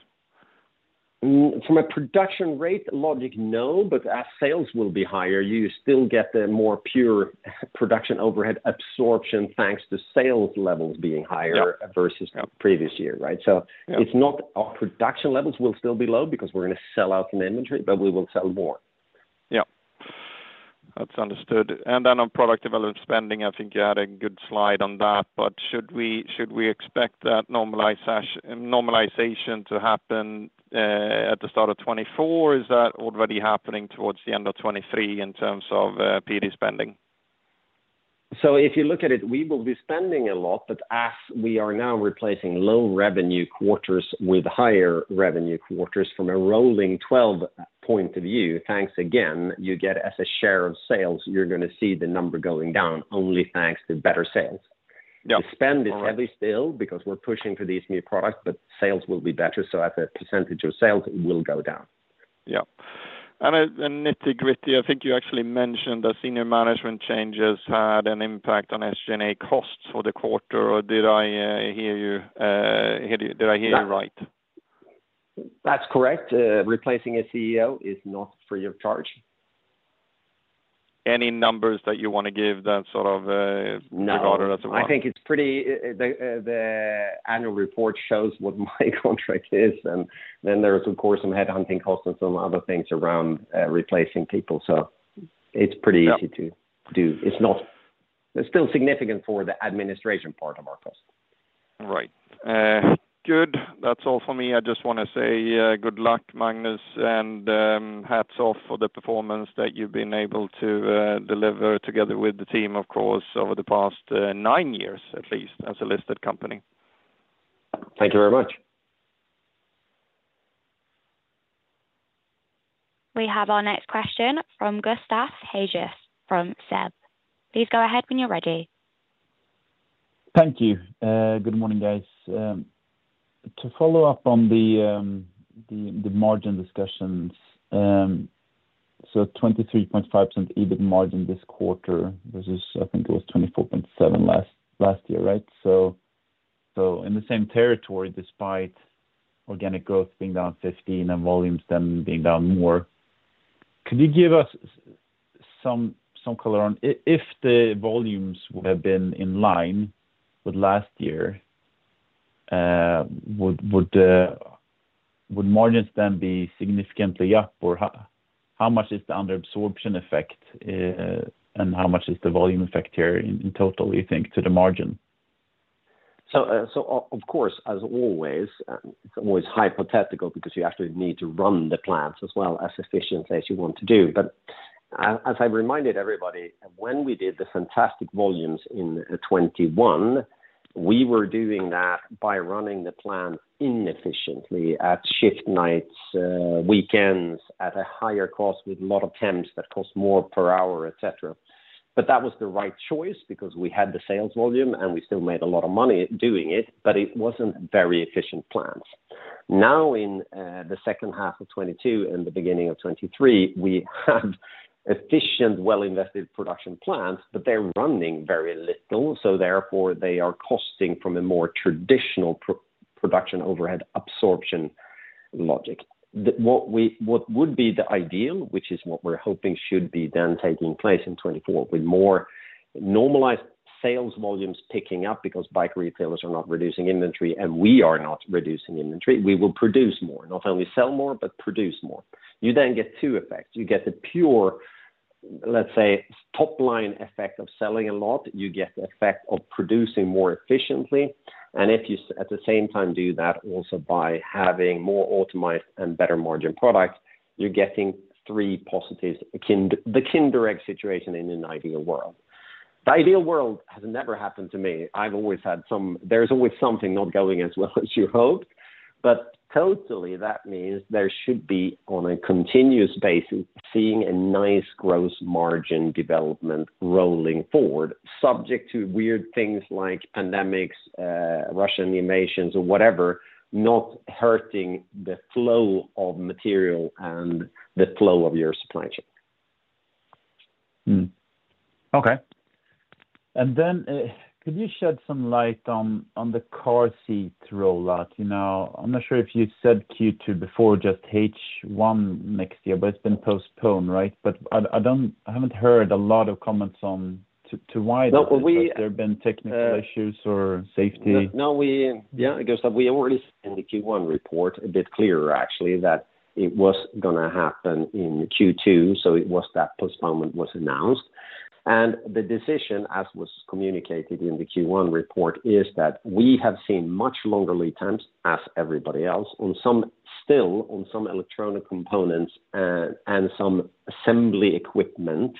B: From a production rate logic, no, but as sales will be higher, you still get the more pure production overhead absorption, thanks to sales levels being higher.
C: Yep...
B: versus the previous year, right?
C: Yep.
B: Our production levels will still be low because we're going to sell out in inventory, but we will sell more.
C: Yep. That's understood. On product development spending, I think you had a good slide on that, should we expect that normalized normalization to happen at the start of 2024? Is that already happening towards the end of 2023 in terms of PD spending?
B: If you look at it, we will be spending a lot, but as we are now replacing low revenue quarters with higher revenue quarters from a rolling 12 point of view, thanks again, you get as a share of sales, you're going to see the number going down only thanks to better sales.
C: Yeah. All right.
B: The spend is heavy still because we're pushing for these new products, but sales will be better, so as a % of sales, it will go down.
C: Yeah. Nitty-gritty, I think you actually mentioned the senior management changes had an impact on SG&A costs for the quarter, or did I hear you right?
B: That's correct. Replacing a CEO is not free of charge.
C: Any numbers that you want to give that sort of, regard as well?
B: No. I think it's pretty, the annual report shows what my contract is, there's, of course, some headhunting costs and some other things around, replacing people. It's pretty.
C: Yeah
B: easy to do. It's still significant for the administration part of our cost.
C: Right. Good. That's all for me. I just want to say, good luck, Magnus, and hats off for the performance that you've been able to deliver together with the team, of course, over the past, nine years, at least, as a listed company.
B: Thank you very much.
A: We have our next question from Gustav Hagéus from SEB. Please go ahead when you're ready.
D: Thank you. Good morning, guys. To follow up on the, the margin discussions, 23.5% EBIT margin this quarter versus, I think it was 24.7% last year, right? In the same territory, despite organic growth being down 15% and volumes then being down more, could you give us some color on if the volumes would have been in line with last year, would margins then be significantly up? Or how much is the under absorption effect, and how much is the volume effect here in total, you think, to the margin?
B: Of course, as always, it's always hypothetical because you actually need to run the plants as well as efficiently as you want to do. As I reminded everybody, when we did the fantastic volumes in 2021, we were doing that by running the plant inefficiently at shift nights, weekends, at a higher cost, with a lot of temps that cost more per hour, et cetera. That was the right choice because we had the sales volume, and we still made a lot of money doing it, but it wasn't very efficient plants. Now, in the second half of 2022 and the beginning of 2023, we had efficient, well-invested production plants, but they're running very little, so therefore, they are costing from a more traditional production overhead absorption logic. What would be the ideal, which is what we're hoping should be then taking place in 2024, with more normalized sales volumes picking up because bike retailers are not reducing inventory and we are not reducing inventory, we will produce more. Not only sell more, but produce more. You then get two effects: you get the pure, let's say, top-line effect of selling a lot, you get the effect of producing more efficiently, and if you at the same time, do that also by having more optimized and better margin products, you're getting three positives, the kind direct situation in an ideal world. The ideal world has never happened to me. There's always something not going as well as you hope, but totally, that means there should be, on a continuous basis, seeing a nice gross margin development rolling forward, subject to weird things like pandemics, Russian invasions or whatever, not hurting the flow of material and the flow of your supply chain.
D: Okay. Could you shed some light on the car seat rollout? You know, I'm not sure if you said Q2 before, just H1 next year. It's been postponed, right? I haven't heard a lot of comments on why.
B: No, well.
D: There have been technical issues or safety.
B: No, because we already in the Q1 report, a bit clearer, actually, that it was gonna happen in Q2, so it was that postponement was announced. The decision, as was communicated in the Q1 report, is that we have seen much longer lead times as everybody else on some, still, on some electronic components, and some assembly equipment.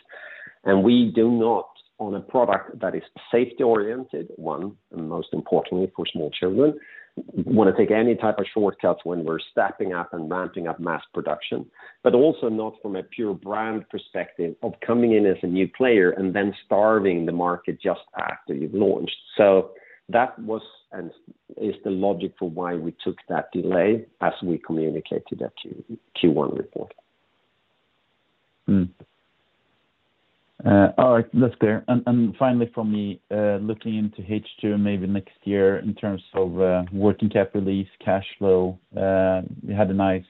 B: We do not, on a product that is safety-oriented, one, and most importantly, for small children, wanna take any type of shortcuts when we're stepping up and ramping up mass production, but also not from a pure brand perspective of coming in as a new player and then starving the market just after you've launched. That was, and is the logic for why we took that delay as we communicated at the Q1 report.
D: All right, that's clear. Finally, for me, looking into H2, maybe next year in terms of working capital lease, cash flow, you had a nice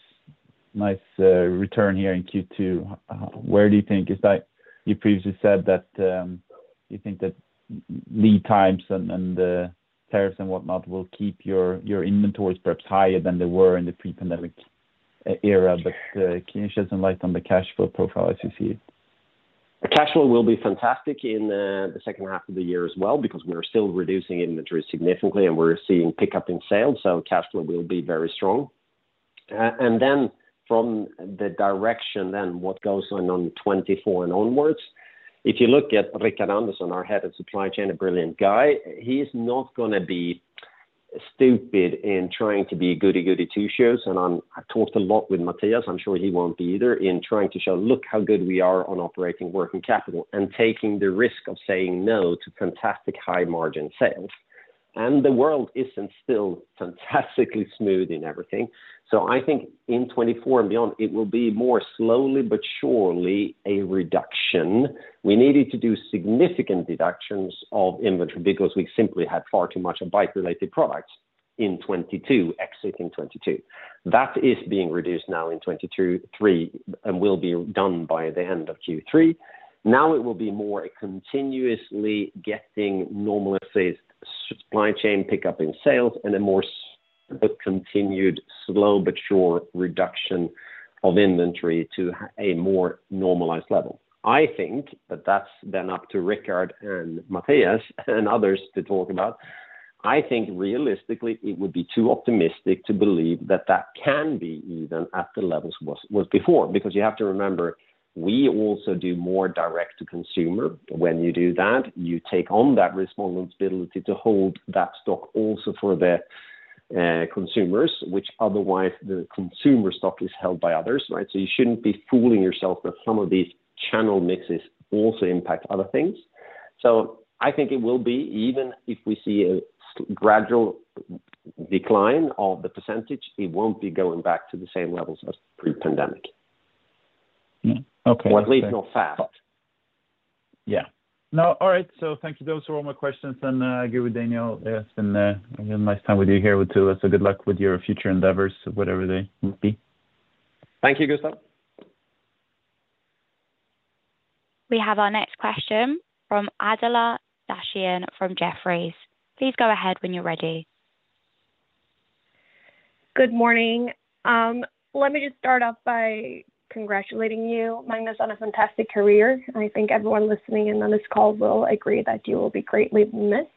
D: return here in Q2. Where do you think is that? You previously said that, do you think that lead times and the tariffs and whatnot will keep your inventories perhaps higher than they were in the pre-pandemic era? Can you shed some light on the cash flow profile as you see it?
B: The cash flow will be fantastic in the second half of the year as well, because we are still reducing inventory significantly and we're seeing pickup in sales, so cash flow will be very strong. Then from the direction, then what goes on in 2024 and onwards, if you look at Rickard Andersson, our head of supply chain, a brilliant guy, he's not gonna be stupid in trying to be goody-goody two-shoes. I've talked a lot with Mattias, I'm sure he won't be either in trying to show, "Look how good we are on operating working capital," and taking the risk of saying no to fantastic high-margin sales. The world isn't still fantastically smooth in everything. I think in 2024 and beyond, it will be more slowly but surely a reduction. We needed to do significant reductions of inventory because we simply had far too much of bike-related products in 22, exiting 22. That is being reduced now in 23, and will be done by the end of Q3. It will be more a continuously getting normalized supply chain pickup in sales and a more a continued slow but sure reduction of inventory to a more normalized level. I think, but that's then up to Rickard and Mattias and others to talk about. I think realistically, it would be too optimistic to believe that that can be even at the levels was before, because you have to remember, we also do more direct to consumer. When you do that, you take on that responsibility to hold that stock also for the consumers, which otherwise the consumer stock is held by others, right? You shouldn't be fooling yourself that some of these channel mixes also impact other things. I think it will be, even if we see a gradual decline of the %, it won't be going back to the same levels as pre-pandemic.
D: Mm-hmm. Okay.
B: At least not fast. Yeah.
D: No. All right, thank you. Those were all my questions, and agree with Daniel there. It's been a nice time with you here, too. Good luck with your future endeavors, whatever they may be.
B: Thank you, Gustav.
A: We have our next question from Adela Dashian from Jefferies. Please go ahead when you're ready.
E: Good morning. Let me just start off by congratulating you, Magnus, on a fantastic career. I think everyone listening in on this call will agree that you will be greatly missed.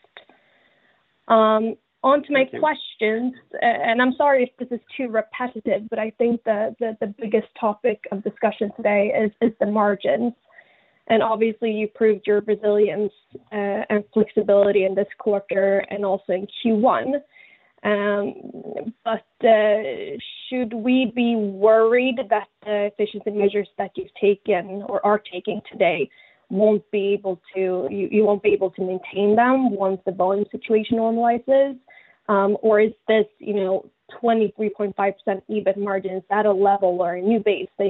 E: On to my questions, I'm sorry if this is too repetitive, but I think the biggest topic of discussion today is the margin. Obviously, you proved your resilience and flexibility in this quarter and also in Q1. Should we be worried that the efficiency measures that you've taken or are taking today won't be able to maintain them once the volume situation normalizes? Is this, you know, 23.5% EBIT margin is at a level or a new base that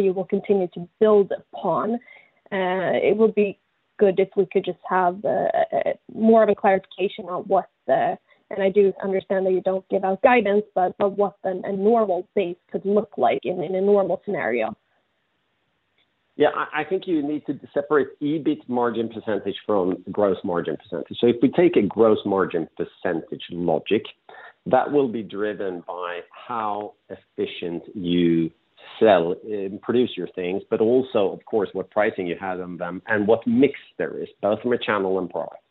E: you will continue to build upon? It would be good if we could just have more of a clarification on what the... I do understand that you don't give out guidance, but what a normal base could look like in a normal scenario.
B: I think you need to separate EBIT margin % from gross margin %. If we take a gross margin % logic, that will be driven by how efficient you sell and produce your things, but also, of course, what pricing you have on them and what mix there is, both from a channel and product.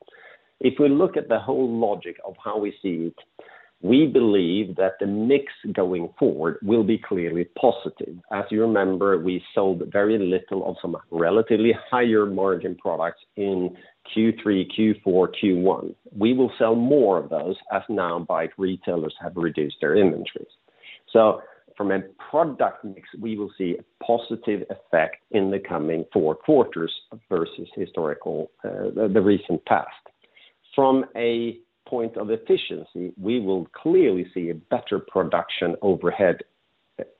B: If we look at the whole logic of how we see it, we believe that the mix going forward will be clearly positive. As you remember, we sold very little of some relatively higher margin products in Q3, Q4 and Q1. We will sell more of those as now bike retailers have reduced their inventories. From a product mix, we will see a positive effect in the coming four quarters versus historical, the recent past. From a point of efficiency, we will clearly see a better production overhead,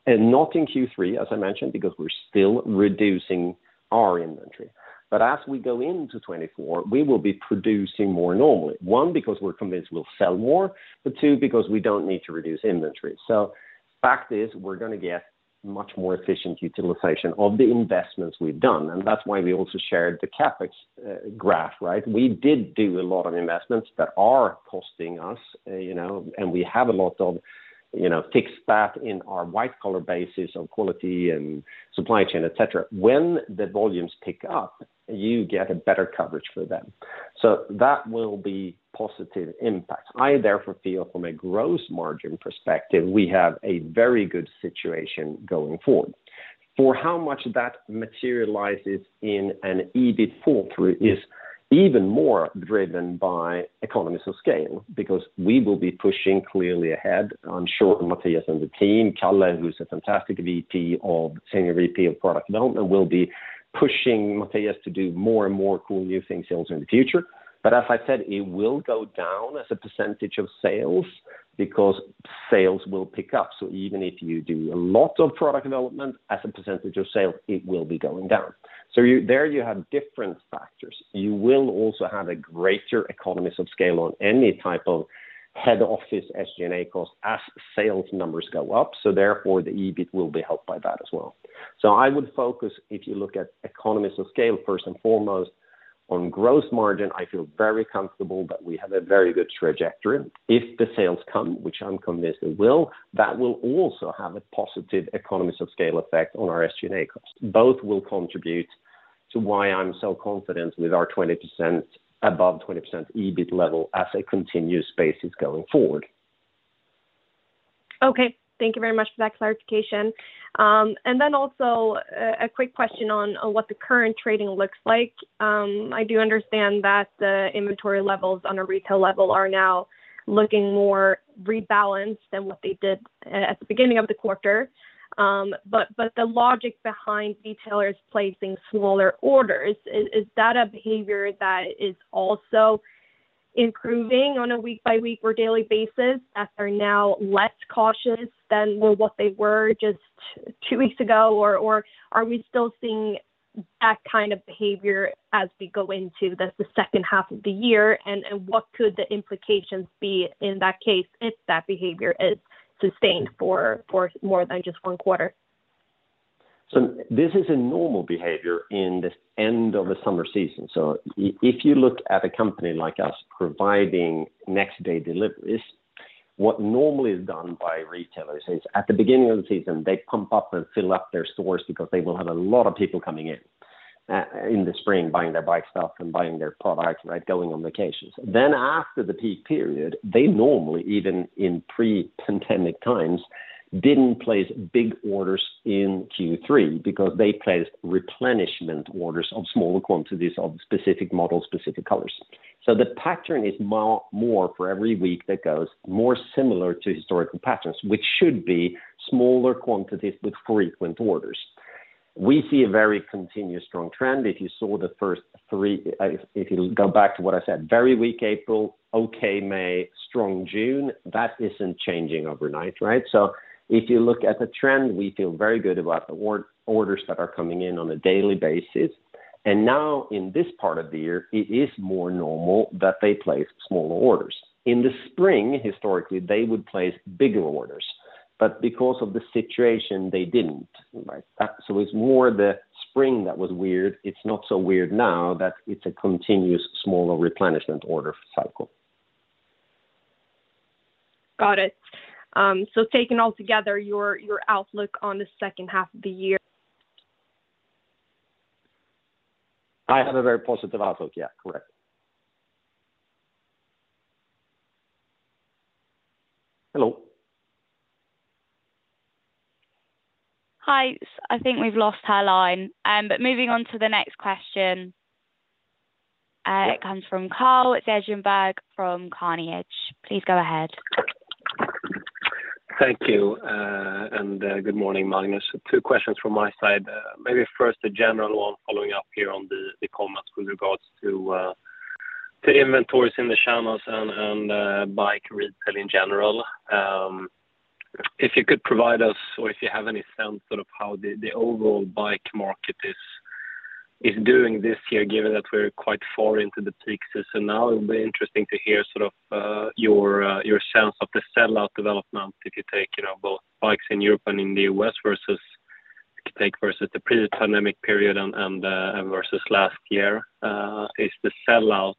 B: not in Q3, as I mentioned, because we're still reducing our inventory. As we go into 2024, we will be producing more normally. One, because we're convinced we'll sell more, two, because we don't need to reduce inventory. Fact is, we're gonna get much more efficient utilization of the investments we've done, that's why we also shared the CapEx graph, right? We did do a lot of investments that are costing us, you know, we have a lot of, you know, fixed staff in our white-collar bases of quality and supply chain, et cetera. When the volumes pick up, you get a better coverage for them. That will be positive impact. I therefore feel from a gross margin perspective, we have a very good situation going forward. For how much that materializes in an EBIT pull-through is even more driven by economies of scale, because we will be pushing clearly ahead. I'm sure Mattias and the team, Kalle, who's a fantastic Senior VP of Product Development, will be pushing Mattias to do more and more cool new things also in the future. As I said, it will go down as a % of sales because sales will pick up. Even if you do a lot of product development as a % of sales, it will be going down. You, there, you have different factors. You will also have a greater economies of scale on any type of head office SG&A costs as sales numbers go up, therefore, the EBIT will be helped by that as well. I would focus, if you look at economies of scale, first and foremost, on gross margin. I feel very comfortable that we have a very good trajectory. If the sales come, which I'm convinced it will, that will also have a positive economies of scale effect on our SG&A costs. Both will contribute to why I'm so confident with our 20%, above 20% EBIT level as a continuous basis going forward.
E: Okay. Thank you very much for that clarification. Then also, a quick question on what the current trading looks like. I do understand that the inventory levels on a retail level are now looking more rebalanced than what they did at the beginning of the quarter. The logic behind retailers placing smaller orders, is that a behavior that is also improving on a week-by-week or daily basis, as they're now less cautious than what they were just two weeks ago? Are we still seeing that kind of behavior as we go into the second half of the year, and what could the implications be in that case, if that behavior is sustained for more than just one quarter?
B: This is a normal behavior in the end of a summer season. If you look at a company like us providing next day delivery, what normally is done by retailers is, at the beginning of the season, they pump up and fill up their stores because they will have a lot of people coming in the spring, buying their bike stuff and buying their products, right, going on vacations. After the peak period, they normally, even in pre-pandemic times, didn't place big orders in Q3 because they placed replenishment orders of smaller quantities of specific models, specific colors. The pattern is more for every week that goes more similar to historical patterns, which should be smaller quantities with frequent orders. We see a very continuous strong trend. If you saw the first 3... If you go back to what I said, very weak April, okay May, strong June, that isn't changing overnight, right? If you look at the trend, we feel very good about the orders that are coming in on a daily basis. Now, in this part of the year, it is more normal that they place smaller orders. In the spring, historically, they would place bigger orders, but because of the situation, they didn't, right? It's more the spring that was weird. It's not so weird now that it's a continuous smaller replenishment order cycle.
E: Got it. Taken all together, your outlook on the second half of the year?
B: I have a very positive outlook. Yeah, correct. Hello?
A: Hi, I think we've lost her line. Moving on to the next question, it comes from Carl Deijenberg from Carnegie. Please go ahead.
F: Thank you, and good morning, Magnus. Two questions from my side. Maybe first, a general one, following up here on the comments with regards to inventories in the channels and bike retail in general. If you could provide us or if you have any sense sort of how the overall bike market is doing this year, given that we're quite far into the peak season now, it would be interesting to hear sort of your sense of the sell-out development, if you take, you know, both bikes in Europe and in the U.S. versus, take versus the pre-pandemic period and versus last year. Is the sell-out,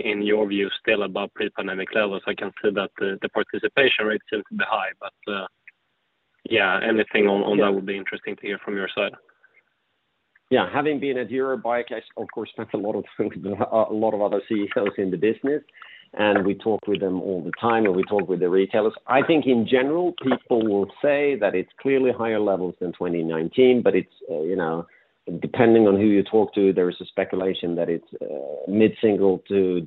F: in your view, still above pre-pandemic levels? I can see that the participation rate seems to be high, but, yeah, anything on that would be interesting to hear from your side.
B: Yeah. Having been at Eurobike, I, of course, spent a lot of other CEOs in the business, and we talk with them all the time, and we talk with the retailers. I think in general, people will say that it's clearly higher levels than 2019, but it's, you know, depending on who you talk to, there is a speculation that it's mid-single to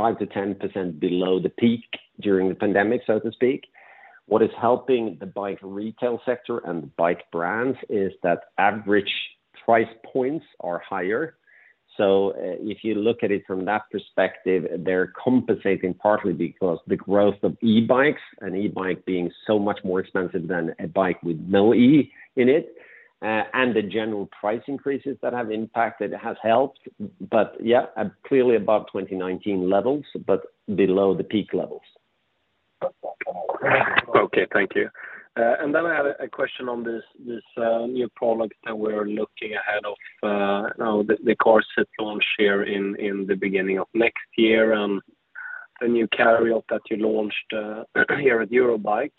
B: 5%-10% below the peak during the pandemic, so to speak. What is helping the bike retail sector and the bike brands is that average price points are higher. If you look at it from that perspective, they're compensating partly because the growth of e-bikes, and e-bikes being so much more expensive than a bike with no E in it, and the general price increases that have impacted has helped. Yeah, clearly above 2019 levels, but below the peak levels.
F: Okay, thank you. I had a question on this new product that we're looking ahead of now, the course set launch here in the beginning of next year, the new carrier that you launched here at Eurobike.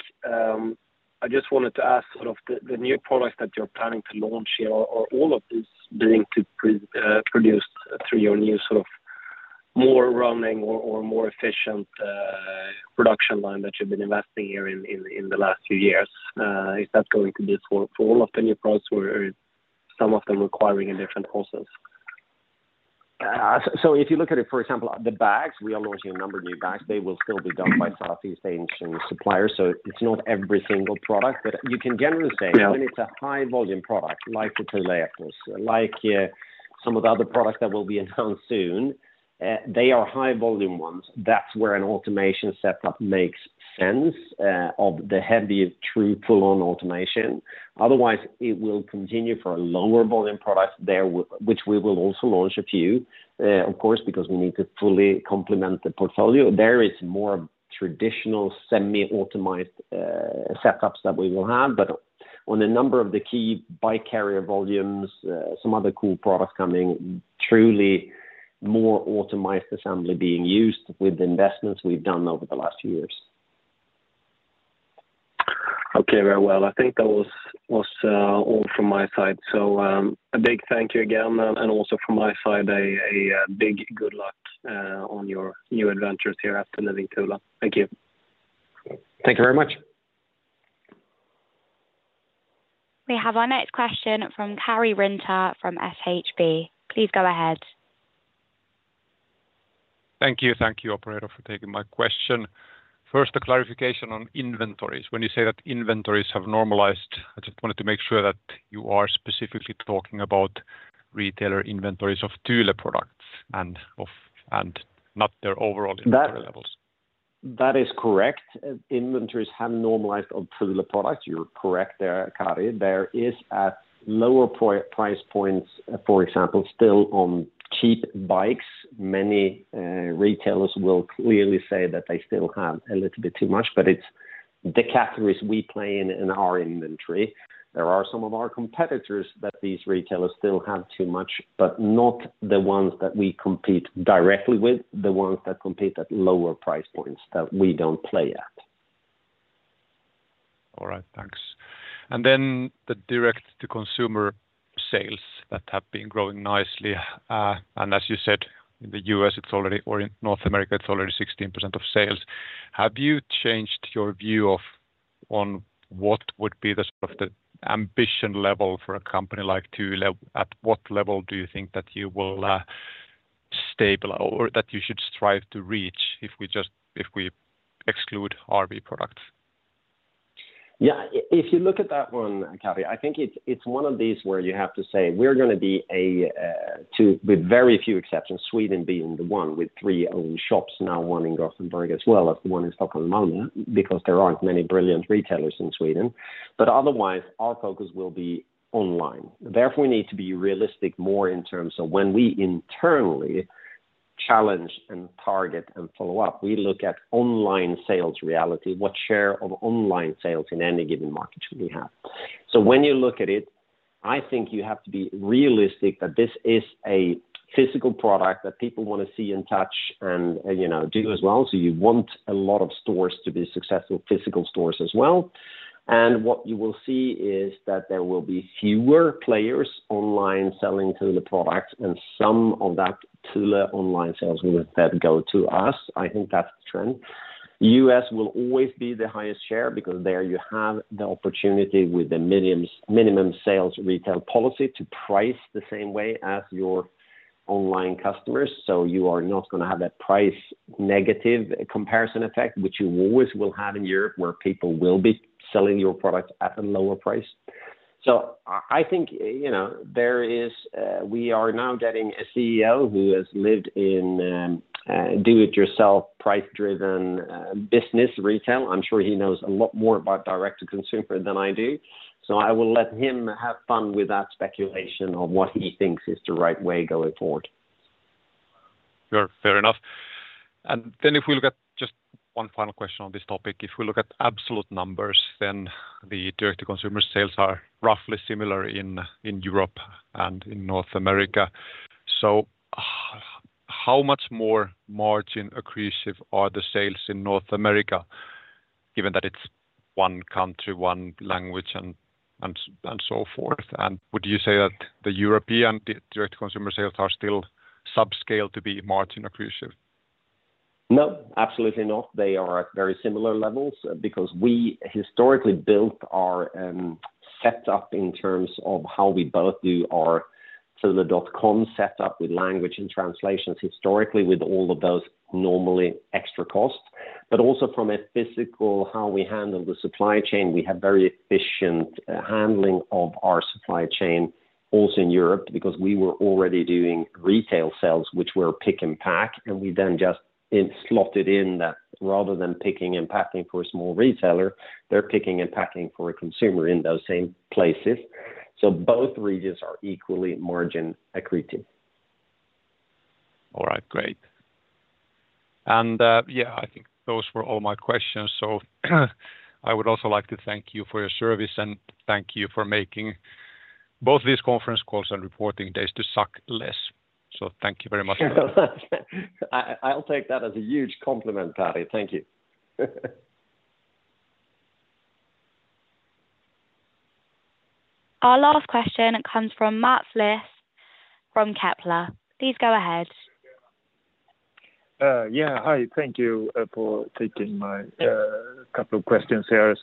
F: I just wanted to ask sort of the new products that you're planning to launch here, are all of these being produced through your new sort of more running or more efficient production line that you've been investing here in the last few years? Is that going to be for all of the new products, or are some of them requiring a different process?
B: If you look at it, for example, the bags, we are launching a number of new bags. They will still be done by Southeast Asian suppliers, so it's not every single product. You can generally say.
F: Yeah...
B: when it's a high-volume product, like the Prolayar course, like some of the other products that will be announced soon, they are high-volume ones. That's where an automation setup makes sense of the heavy, true, full-on automation. Otherwise, it will continue for a lower volume products there which we will also launch a few, of course, because we need to fully complement the portfolio. There is more traditional, semi-automized setups that we will have. On a number of the key bike carrier volumes, some other cool products coming, truly more optimized assembly being used with the investments we've done over the last years.
F: Okay, very well. I think that was all from my side. A big thank you again, and also from my side, a big good luck on your new adventures here after leaving Thule. Thank you.
B: Thank you very much.
A: We have our next question from Karri Rinta from Handelsbanken. Please go ahead.
G: Thank you. Thank you, operator, for taking my question. First, a clarification on inventories. When you say that inventories have normalized, I just wanted to make sure that you are specifically talking about retailer inventories of Thule products and not their overall inventory levels.
B: That is correct. Inventories have normalized on Thule products. You're correct there, Karri. There is at lower price points, for example, still on cheap bikes. Many retailers will clearly say that they still have a little bit too much, but it's the categories we play in our inventory. There are some of our competitors that these retailers still have too much, but not the ones that we compete directly with, the ones that compete at lower price points that we don't play at.
G: All right, thanks. The D2C sales that have been growing nicely, and as you said, in the U.S., or in North America, it's already 16% of sales. Have you changed your view of on what would be the sort of the ambition level for a company like Thule? At what level do you think that you will stable or that you should strive to reach if we exclude RV products?
B: Yeah, if you look at that one, Karri, I think it's one of these where you have to say, we're gonna be to with very few exceptions, Sweden being the one with three own shops now, one in Gothenburg as well as the one in Stockholm, Malmö, because there aren't many brilliant retailers in Sweden, but otherwise, our focus will be online. Therefore, we need to be realistic more in terms of when we internally challenge and target and follow up, we look at online sales reality, what share of online sales in any given market should we have? When you look at it, I think you have to be realistic that this is a physical product that people want to see and touch and, you know, do as well. You want a lot of stores to be successful, physical stores as well. What you will see is that there will be fewer players online selling Thule products, and some of that Thule online sales will then go to us. I think that's the trend. U.S. will always be the highest share because there you have the opportunity with the minimum sales retail policy to price the same way as your online customers. You are not gonna have that price negative comparison effect, which you always will have in Europe, where people will be selling your product at a lower price. I think, you know, there is, we are now getting a CEO who has lived in do-it-yourself, price-driven business retail. I'm sure he knows a lot more about direct-to-consumer than I do. I will let him have fun with that speculation on what he thinks is the right way going forward.
G: Sure, fair enough. Just one final question on this topic. If we look at absolute numbers, then the direct-to-consumer sales are roughly similar in Europe and in North America. How much more margin accretive are the sales in North America, given that it's one country, one language, and so forth? Would you say that the European direct consumer sales are still subscale to be margin accretive?
B: No, absolutely not. They are at very similar levels because we historically built our setup in terms of how we both do our Thule.com setup with language and translations, historically, with all of those normally extra costs, but also from a physical, how we handle the supply chain. We have very efficient handling of our supply chain, also in Europe, because we were already doing retail sales, which were pick and pack, and we then just slotted in that rather than picking and packing for a small retailer, they're picking and packing for a consumer in those same places. Both regions are equally margin accretive.
G: All right, great. Yeah, I think those were all my questions. I would also like to thank you for your service, and thank you for making both these Conference Calls and reporting days to suck less. Thank you very much.
B: I'll take that as a huge compliment, Karri. Thank you.
A: Our last question comes from Mats Liss from Kepler. Please go ahead.
H: Yeah, hi, thank you for taking my couple of questions here.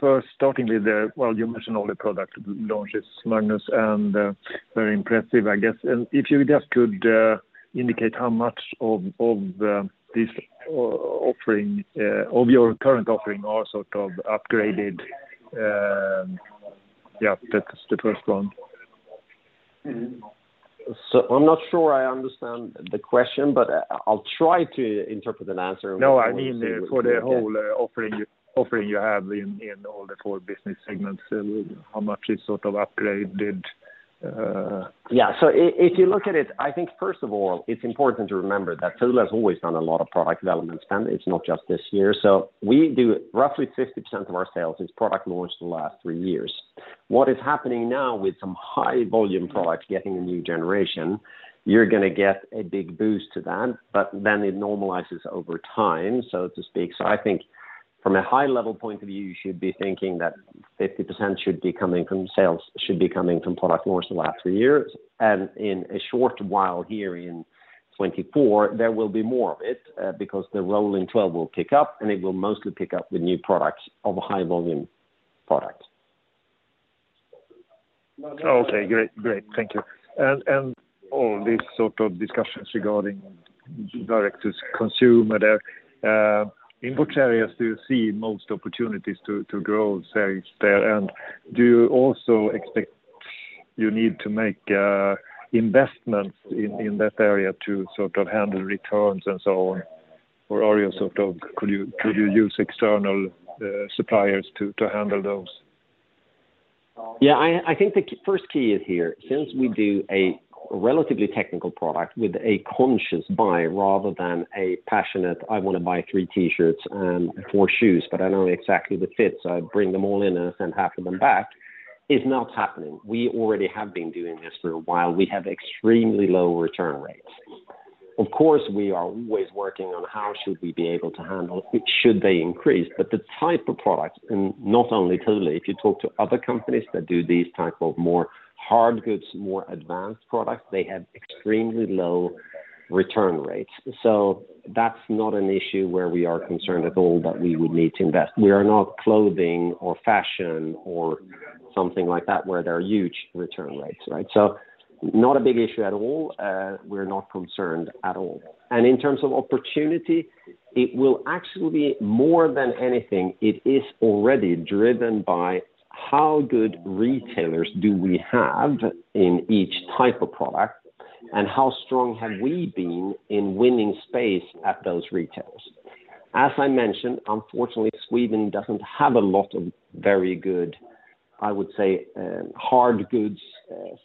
H: First, starting with the. Well, you mentioned all the product launches, Magnus, and very impressive, I guess. If you just could indicate how much of the, this offering, of your current offering are sort of upgraded? Yeah, that's the first one.
B: I'm not sure I understand the question, but I'll try to interpret an answer.
H: No, I mean, for the whole offering you have in all the four business segments, how much is sort of upgraded?
B: Yeah, so if you look at it, I think first of all, it's important to remember that Thule has always done a lot of product development, and it's not just this year. We do roughly 50% of our sales is product launched in the last 3 years. What is happening now with some high-volume products getting a new generation, you're going to get a big boost to that, but then it normalizes over time, so to speak. I think from a high level point of view, you should be thinking that 50% should be coming from sales, should be coming from product launch the last 3 years. In a short while here in 2024, there will be more of it because the rolling 12 will pick up, and it will mostly pick up the new products of high-volume products.
H: Okay, great. Great. Thank you. All these sort of discussions regarding direct-to-consumer there, in which areas do you see most opportunities to grow sales there? Do you also expect you need to make investments in that area to sort of handle returns and so on? Are you sort of could you use external suppliers to handle those?
B: Yeah, I think the first key is here, since we do a relatively technical product with a conscious buy rather than a passionate, I want to buy 3 T-shirts and 4 shoes, but I know exactly the fit, so I bring them all in and send half of them back, is not happening. We already have been doing this for a while. We have extremely low return rates. Of course, we are always working on how should we be able to handle, should they increase? The type of products, and not only Thule, if you talk to other companies that do these type of more hard goods, more advanced products, they have extremely low return rates. That's not an issue where we are concerned at all that we would need to invest. We are not clothing or fashion or something like that, where there are huge return rates, right? Not a big issue at all. We're not concerned at all. In terms of opportunity, it will actually be more than anything. It is already driven by how good retailers do we have in each type of product, and how strong have we been in winning space at those retailers. As I mentioned, unfortunately, Sweden doesn't have a lot of very good, I would say, hard goods,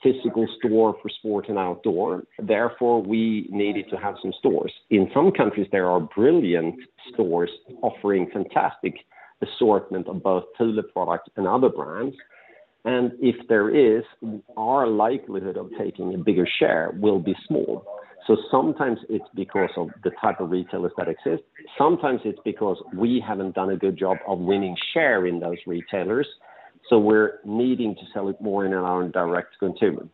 B: physical store for sport and outdoor. Therefore, we needed to have some stores. In some countries, there are brilliant stores offering fantastic assortment of both Thule products and other brands, and if there is, our likelihood of taking a bigger share will be small. Sometimes it's because of the type of retailers that exist, sometimes it's because we haven't done a good job of winning share in those retailers, so we're needing to sell it more in our own direct consumer.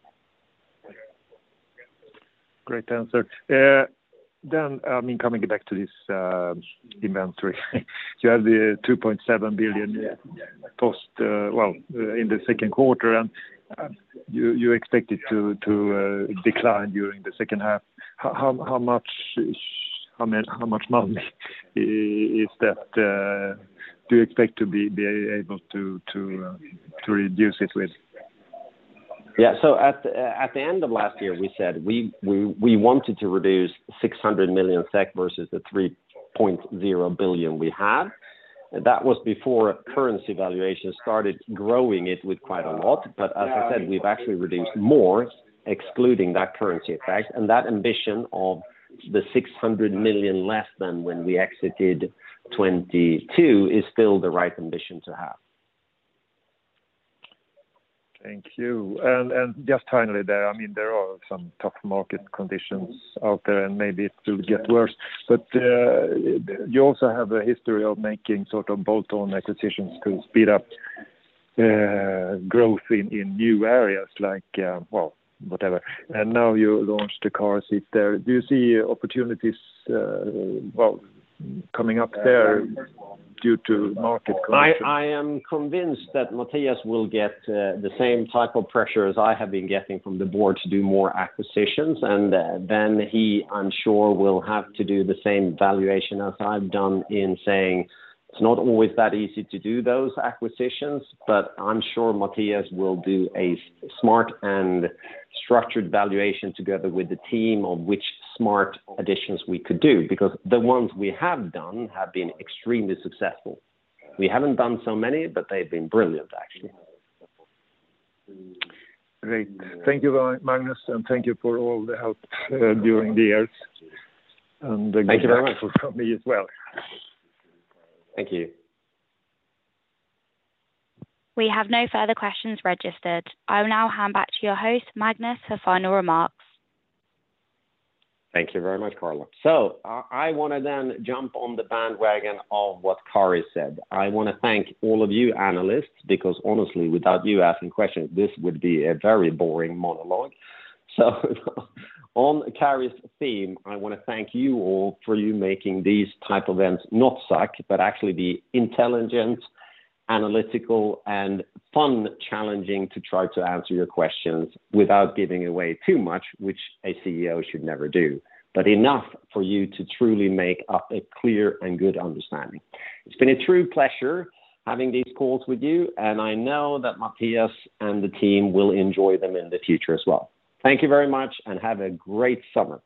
H: Great answer. I mean, coming back to this inventory, you have the 2.7 billion post well in the Q2, you expect it to decline during the second half. How much money is that do you expect to be able to reduce it with?
B: At the end of last year, we said we wanted to reduce 600 million SEK versus the 3.0 billion we had. That was before currency valuation started growing it with quite a lot. As I said, we've actually reduced more, excluding that currency effect, and that ambition of the 600 million less than when we exited 2022 is still the right ambition to have.
H: Thank you. Just finally, there, I mean, there are some tough market conditions out there, and maybe it will get worse, but you also have a history of making sort of bolt-on acquisitions to speed up growth in new areas like, well, whatever. Now you launched the car seat there. Do you see opportunities, well, coming up there due to market conditions?
B: I am convinced that Mattias will get the same type of pressure as I have been getting from the board to do more acquisitions, and then he, I'm sure, will have to do the same valuation as I've done in saying it's not always that easy to do those acquisitions, but I'm sure Mattias will do a smart and structured valuation together with the team on which smart additions we could do, because the ones we have done have been extremely successful. We haven't done so many, but they've been brilliant, actually.
H: Great. Thank you very much, Magnus. Thank you for all the help, during the years.
B: Thank you very much.
H: For me as well.
B: Thank you.
A: We have no further questions registered. I will now hand back to your host, Magnus, for final remarks.
B: Thank you very much, Carla. I want to then jump on the bandwagon of what Karri said. I want to thank all of you analysts, because honestly, without you asking questions, this would be a very boring monologue. On Karri's theme, I want to thank you all for you making these type of events not suck, but actually be intelligent, analytical, and fun, challenging to try to answer your questions without giving away too much, which a CEO should never do, but enough for you to truly make up a clear and good understanding. It's been a true pleasure having these calls with you, and I know that Mattias and the team will enjoy them in the future as well. Thank you very much, and have a great summer!